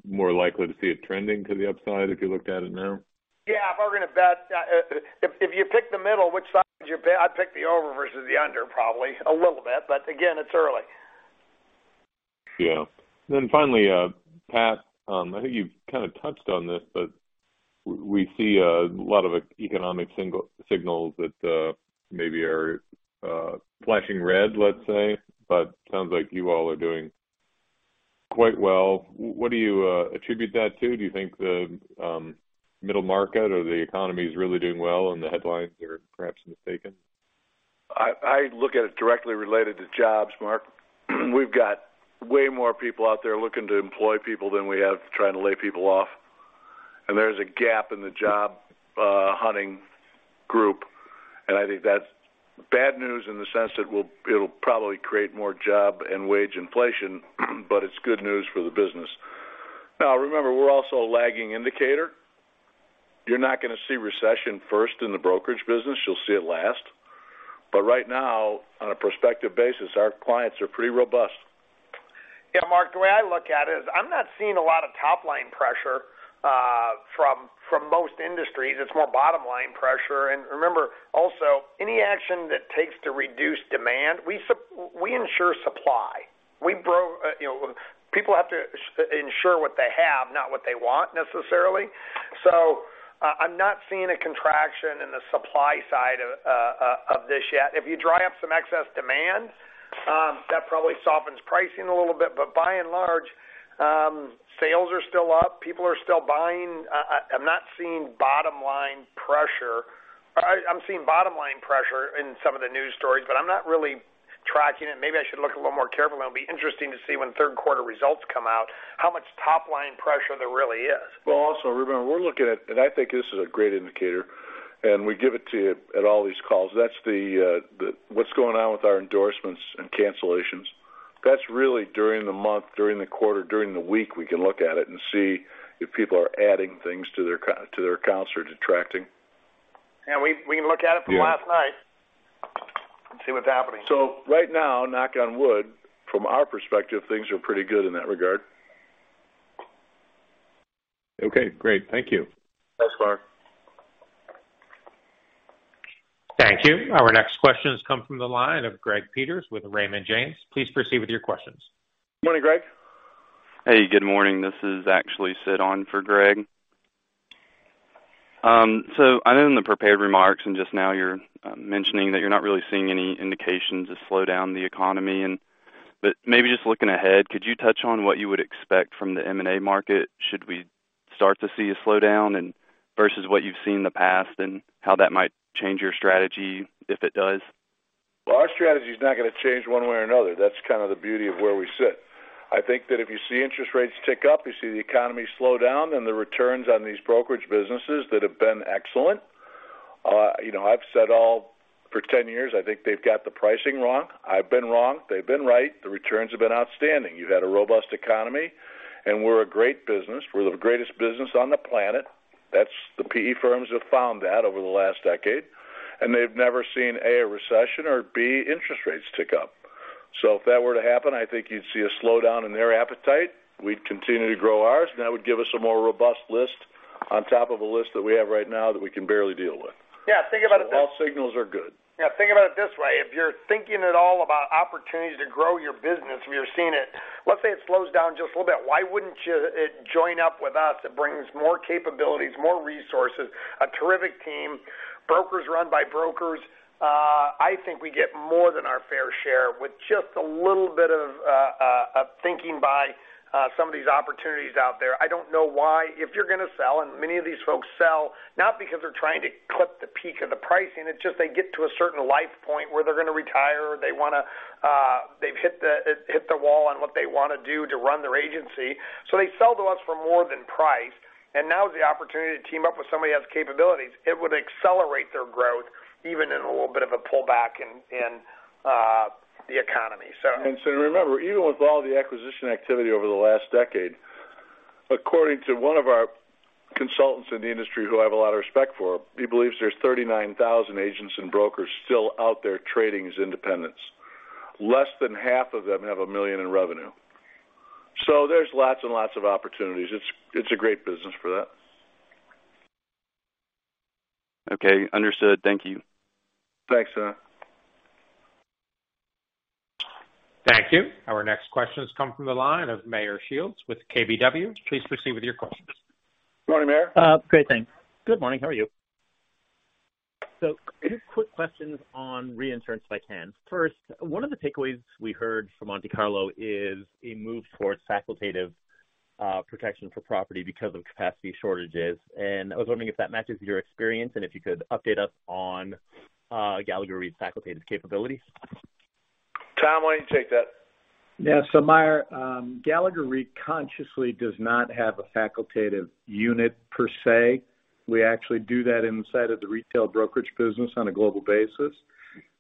more likely to see it trending to the upside if you looked at it now? Yeah. If I were going to bet, if you pick the middle, which side would you bet? I'd pick the over versus the under probably a little bit. Again, it's early. Yeah. Finally, Pat, I think you've kind of touched on this, but we see a lot of economic signals that maybe are flashing red, let's say, but sounds like you all are doing quite well. What do you attribute that to? Do you think the middle market or the economy is really doing well and the headlines are perhaps mistaken? I look at it directly related to jobs, Mark. We've got way more people out there looking to employ people than we have trying to lay people off. There's a gap in the job hunting group, and I think that's bad news in the sense that it'll probably create more job and wage inflation, but it's good news for the business. Now, remember, we're also a lagging indicator. You're not gonna see recession first in the brokerage business, you'll see it last. Right now, on a prospective basis, our clients are pretty robust. Yeah, Mark, the way I look at it is I'm not seeing a lot of top-line pressure from most industries. It's more bottom-line pressure. Remember also any action that takes to reduce demand, we insure supply. You know, people have to insure what they have, not what they want necessarily. I'm not seeing a contraction in the supply side of this yet. If you dry up some excess demand, that probably softens pricing a little bit. By and large, sales are still up, people are still buying. I'm not seeing bottom line pressure. I'm seeing bottom line pressure in some of the news stories, but I'm not really tracking it. Maybe I should look a little more carefully. It'll be interesting to see when third quarter results come out, how much top line pressure there really is. Well, also remember, we're looking at, and I think this is a great indicator, and we give it to you at all these calls. That's the what's going on with our endorsements and cancellations. That's really during the month, during the quarter, during the week, we can look at it and see if people are adding things to their accounts or detracting. We can look at it from last night and see what's happening. Right now, knock on wood, from our perspective, things are pretty good in that regard. Okay, great. Thank you. Thanks, Mark. Thank you. Our next question has come from the line of Greg Peters with Raymond James. Please proceed with your questions. Morning, Greg. Hey, good morning. This is actually Sid on for Greg Peters. So I know in the prepared remarks and just now you're mentioning that you're not really seeing any indications to slow down the economy. Maybe just looking ahead, could you touch on what you would expect from the M&A market should we start to see a slowdown and versus what you've seen in the past and how that might change your strategy if it does? Well, our strategy is not gonna change one way or another. That's kind of the beauty of where we sit. I think that if you see interest rates tick up, you see the economy slow down, and the returns on these brokerage businesses that have been excellent. You know, I've said it for 10 years, I think they've got the pricing wrong. I've been wrong. They've been right. The returns have been outstanding. You've had a robust economy, and we're a great business. We're the greatest business on the planet. That's what PE firms have found that over the last decade, and they've never seen, A, a recession or B, interest rates tick up. If that were to happen, I think you'd see a slowdown in their appetite. We'd continue to grow ours, and that would give us a more robust list on top of a list that we have right now that we can barely deal with. Yeah, think about it. All signals are good. Yeah, think about it this way. If you're thinking at all about opportunities to grow your business, if you're seeing it, let's say it slows down just a little bit. Why wouldn't you join up with us? It brings more capabilities, more resources, a terrific team, brokers run by brokers. I think we get more than our fair share with just a little bit of thinking by some of these opportunities out there. I don't know why. If you're gonna sell, and many of these folks sell, not because they're trying to clip the peak of the pricing, it's just they get to a certain life point where they're gonna retire, they wanna, they've hit the wall on what they wanna do to run their agency. They sell to us for more than price, and now is the opportunity to team up with somebody who has capabilities. It would accelerate their growth even in a little bit of a pullback in the economy. Remember, even with all the acquisition activity over the last decade, according to one of our consultants in the industry who I have a lot of respect for, he believes there's 39,000 agents and brokers still out there trading as independents. Less than half of them have $1 million in revenue. There's lots and lots of opportunities. It's a great business for that. Okay, understood. Thank you. Thanks, sir. Thank you. Our next question has come from the line of Meyer Shields with KBW. Please proceed with your questions. Morning, Meyer. Great, thanks. Good morning. How are you? Two quick questions on reinsurance, if I can. First, one of the takeaways we heard from Monte Carlo is a move towards facultative protection for property because of capacity shortages. I was wondering if that matches your experience and if you could update us on Gallagher Re's facultative capabilities. Tom, why don't you take that? Yeah. Meyer, Gallagher Re consciously does not have a facultative unit per se. We actually do that inside of the retail brokerage business on a global basis.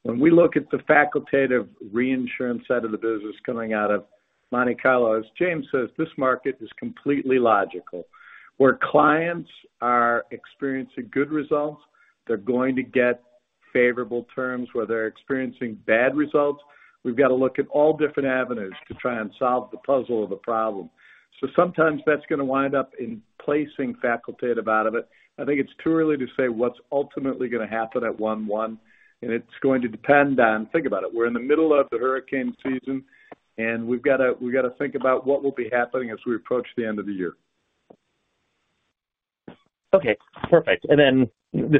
When we look at the facultative reinsurance side of the business coming out of Monte Carlo, as James says, this market is completely logical, where clients are experiencing good results, they're going to get favorable terms. Where they're experiencing bad results, we've got to look at all different avenues to try and solve the puzzle of the problem. Sometimes that's gonna wind up in placing facultative out of it. I think it's too early to say what's ultimately gonna happen at 1/1, and it's going to depend on. Think about it, we're in the middle of the hurricane season, and we've got to think about what will be happening as we approach the end of the year. Okay, perfect. This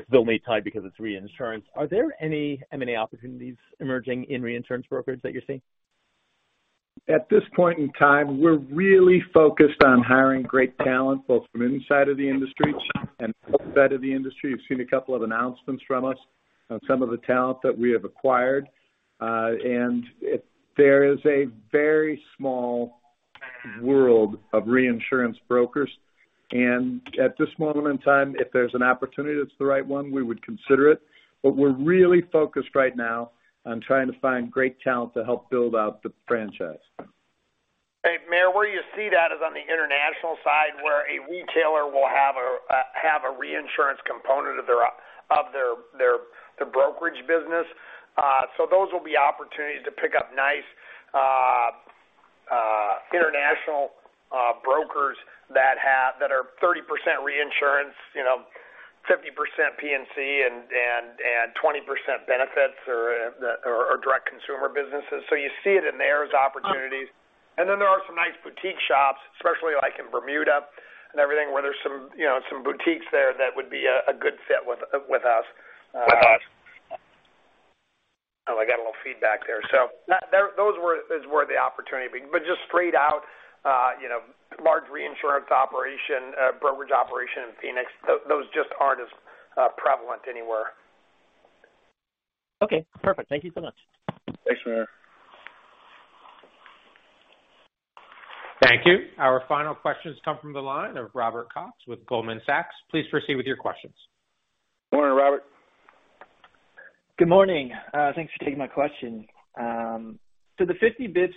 is only tied because it's reinsurance. Are there any M&A opportunities emerging in reinsurance brokerage that you're seeing? At this point in time, we're really focused on hiring great talent, both from inside of the industry and outside of the industry. You've seen a couple of announcements from us on some of the talent that we have acquired. There is a very small world of reinsurance brokers, and at this moment in time, if there's an opportunity that's the right one, we would consider it. We're really focused right now on trying to find great talent to help build out the franchise. Hey, Meyer, where you see that is on the international side, where a retailer will have a reinsurance component of their brokerage business. So those will be opportunities to pick up nice international brokers that have that are 30% reinsurance, you know, 50% P&C and 20% benefits or direct consumer businesses. So you see it in there as opportunities. Then there are some nice boutique shops, especially like in Bermuda and everything, where there's some, you know, some boutiques there that would be a good fit with us. With us. Oh, I got a little feedback there. That's where the opportunity is, but just straight up, you know, large reinsurance operation, brokerage operation in Phoenix, those just aren't as prevalent anywhere. Okay, perfect. Thank you so much. Thanks, Meyer. Thank you. Our final questions come from the line of Robert Cox with Goldman Sachs. Please proceed with your questions. Morning, Robert. Good morning. Thanks for taking my question. The 50 bits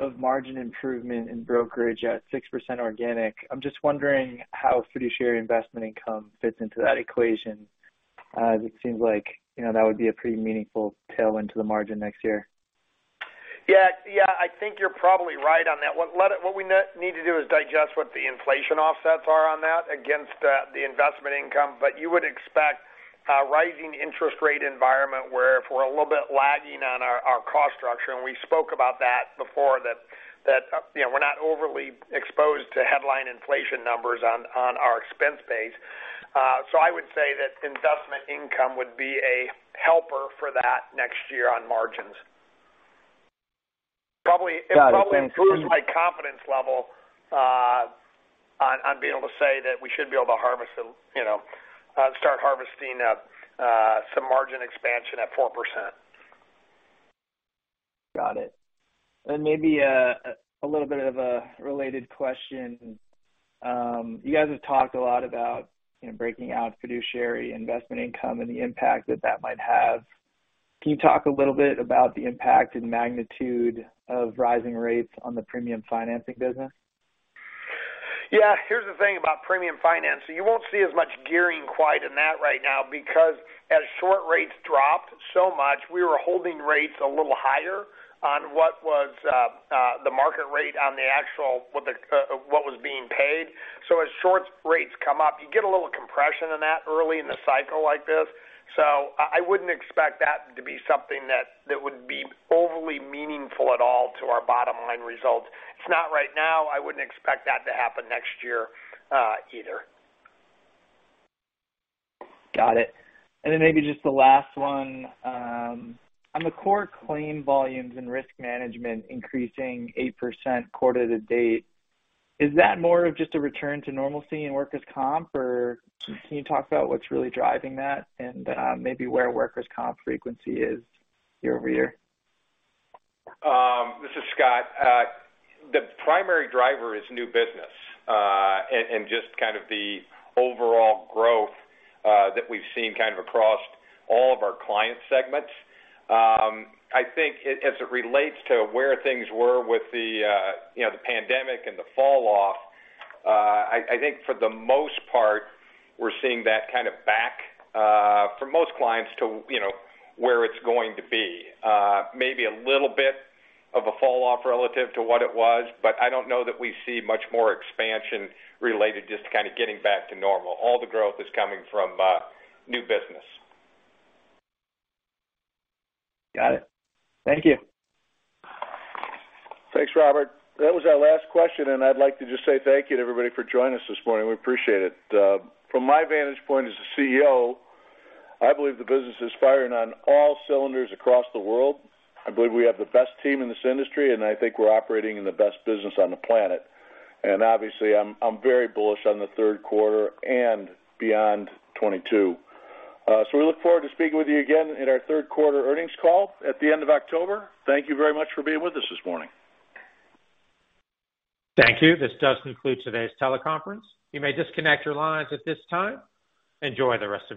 of margin improvement in brokerage at 6% organic, I'm just wondering how fiduciary investment income fits into that equation. It seems like, you know, that would be a pretty meaningful tailwind to the margin next year. Yeah. Yeah. I think you're probably right on that one. What we need to do is digest what the inflation offsets are on that against the investment income. You would expect a rising interest rate environment where if we're a little bit lagging on our cost structure, and we spoke about that before, you know, we're not overly exposed to headline inflation numbers on our expense base. I would say that investment income would be a helper for that next year on margins. Got it. Thanks. It probably improves my confidence level on being able to say that we should be able to harvest, you know, some margin expansion at 4%. Got it. Maybe a little bit of a related question. You guys have talked a lot about, you know, breaking out fiduciary investment income and the impact that that might have. Can you talk a little bit about the impact and magnitude of rising rates on the premium financing business? Yeah. Here's the thing about premium financing. You won't see as much gearing quite in that right now because as short rates dropped so much, we were holding rates a little higher on what was the market rate on the actual what was being paid. As short rates come up, you get a little compression in that early in the cycle like this. I wouldn't expect that to be something that would be overly meaningful at all to our bottom line results. It's not right now. I wouldn't expect that to happen next year, either. Got it. Then maybe just the last one, on the core claim volumes and risk management increasing 8% quarter to date, is that more of just a return to normalcy in workers' comp or can you talk about what's really driving that and, maybe where workers' comp frequency is year-over-year? This is Scott. The primary driver is new business, and just kind of the overall growth that we've seen kind of across all of our client segments. I think as it relates to where things were with the, you know, the pandemic and the fallout, I think for the most part, we're seeing that kind of back for most clients to, you know, where it's going to be. Maybe a little bit of a fallout relative to what it was, but I don't know that we see much more expansion related, just kind of getting back to normal. All the growth is coming from new business. Got it. Thank you. Thanks, Robert. That was our last question, and I'd like to just say thank you to everybody for joining us this morning. We appreciate it. From my vantage point as a CEO, I believe the business is firing on all cylinders across the world. I believe we have the best team in this industry, and I think we're operating in the best business on the planet. Obviously, I'm very bullish on the third quarter and beyond 2022. We look forward to speaking with you again in our third quarter earnings call at the end of October. Thank you very much for being with us this morning. Thank you. This does conclude today's teleconference. You may disconnect your lines at this time. Enjoy the rest of your day.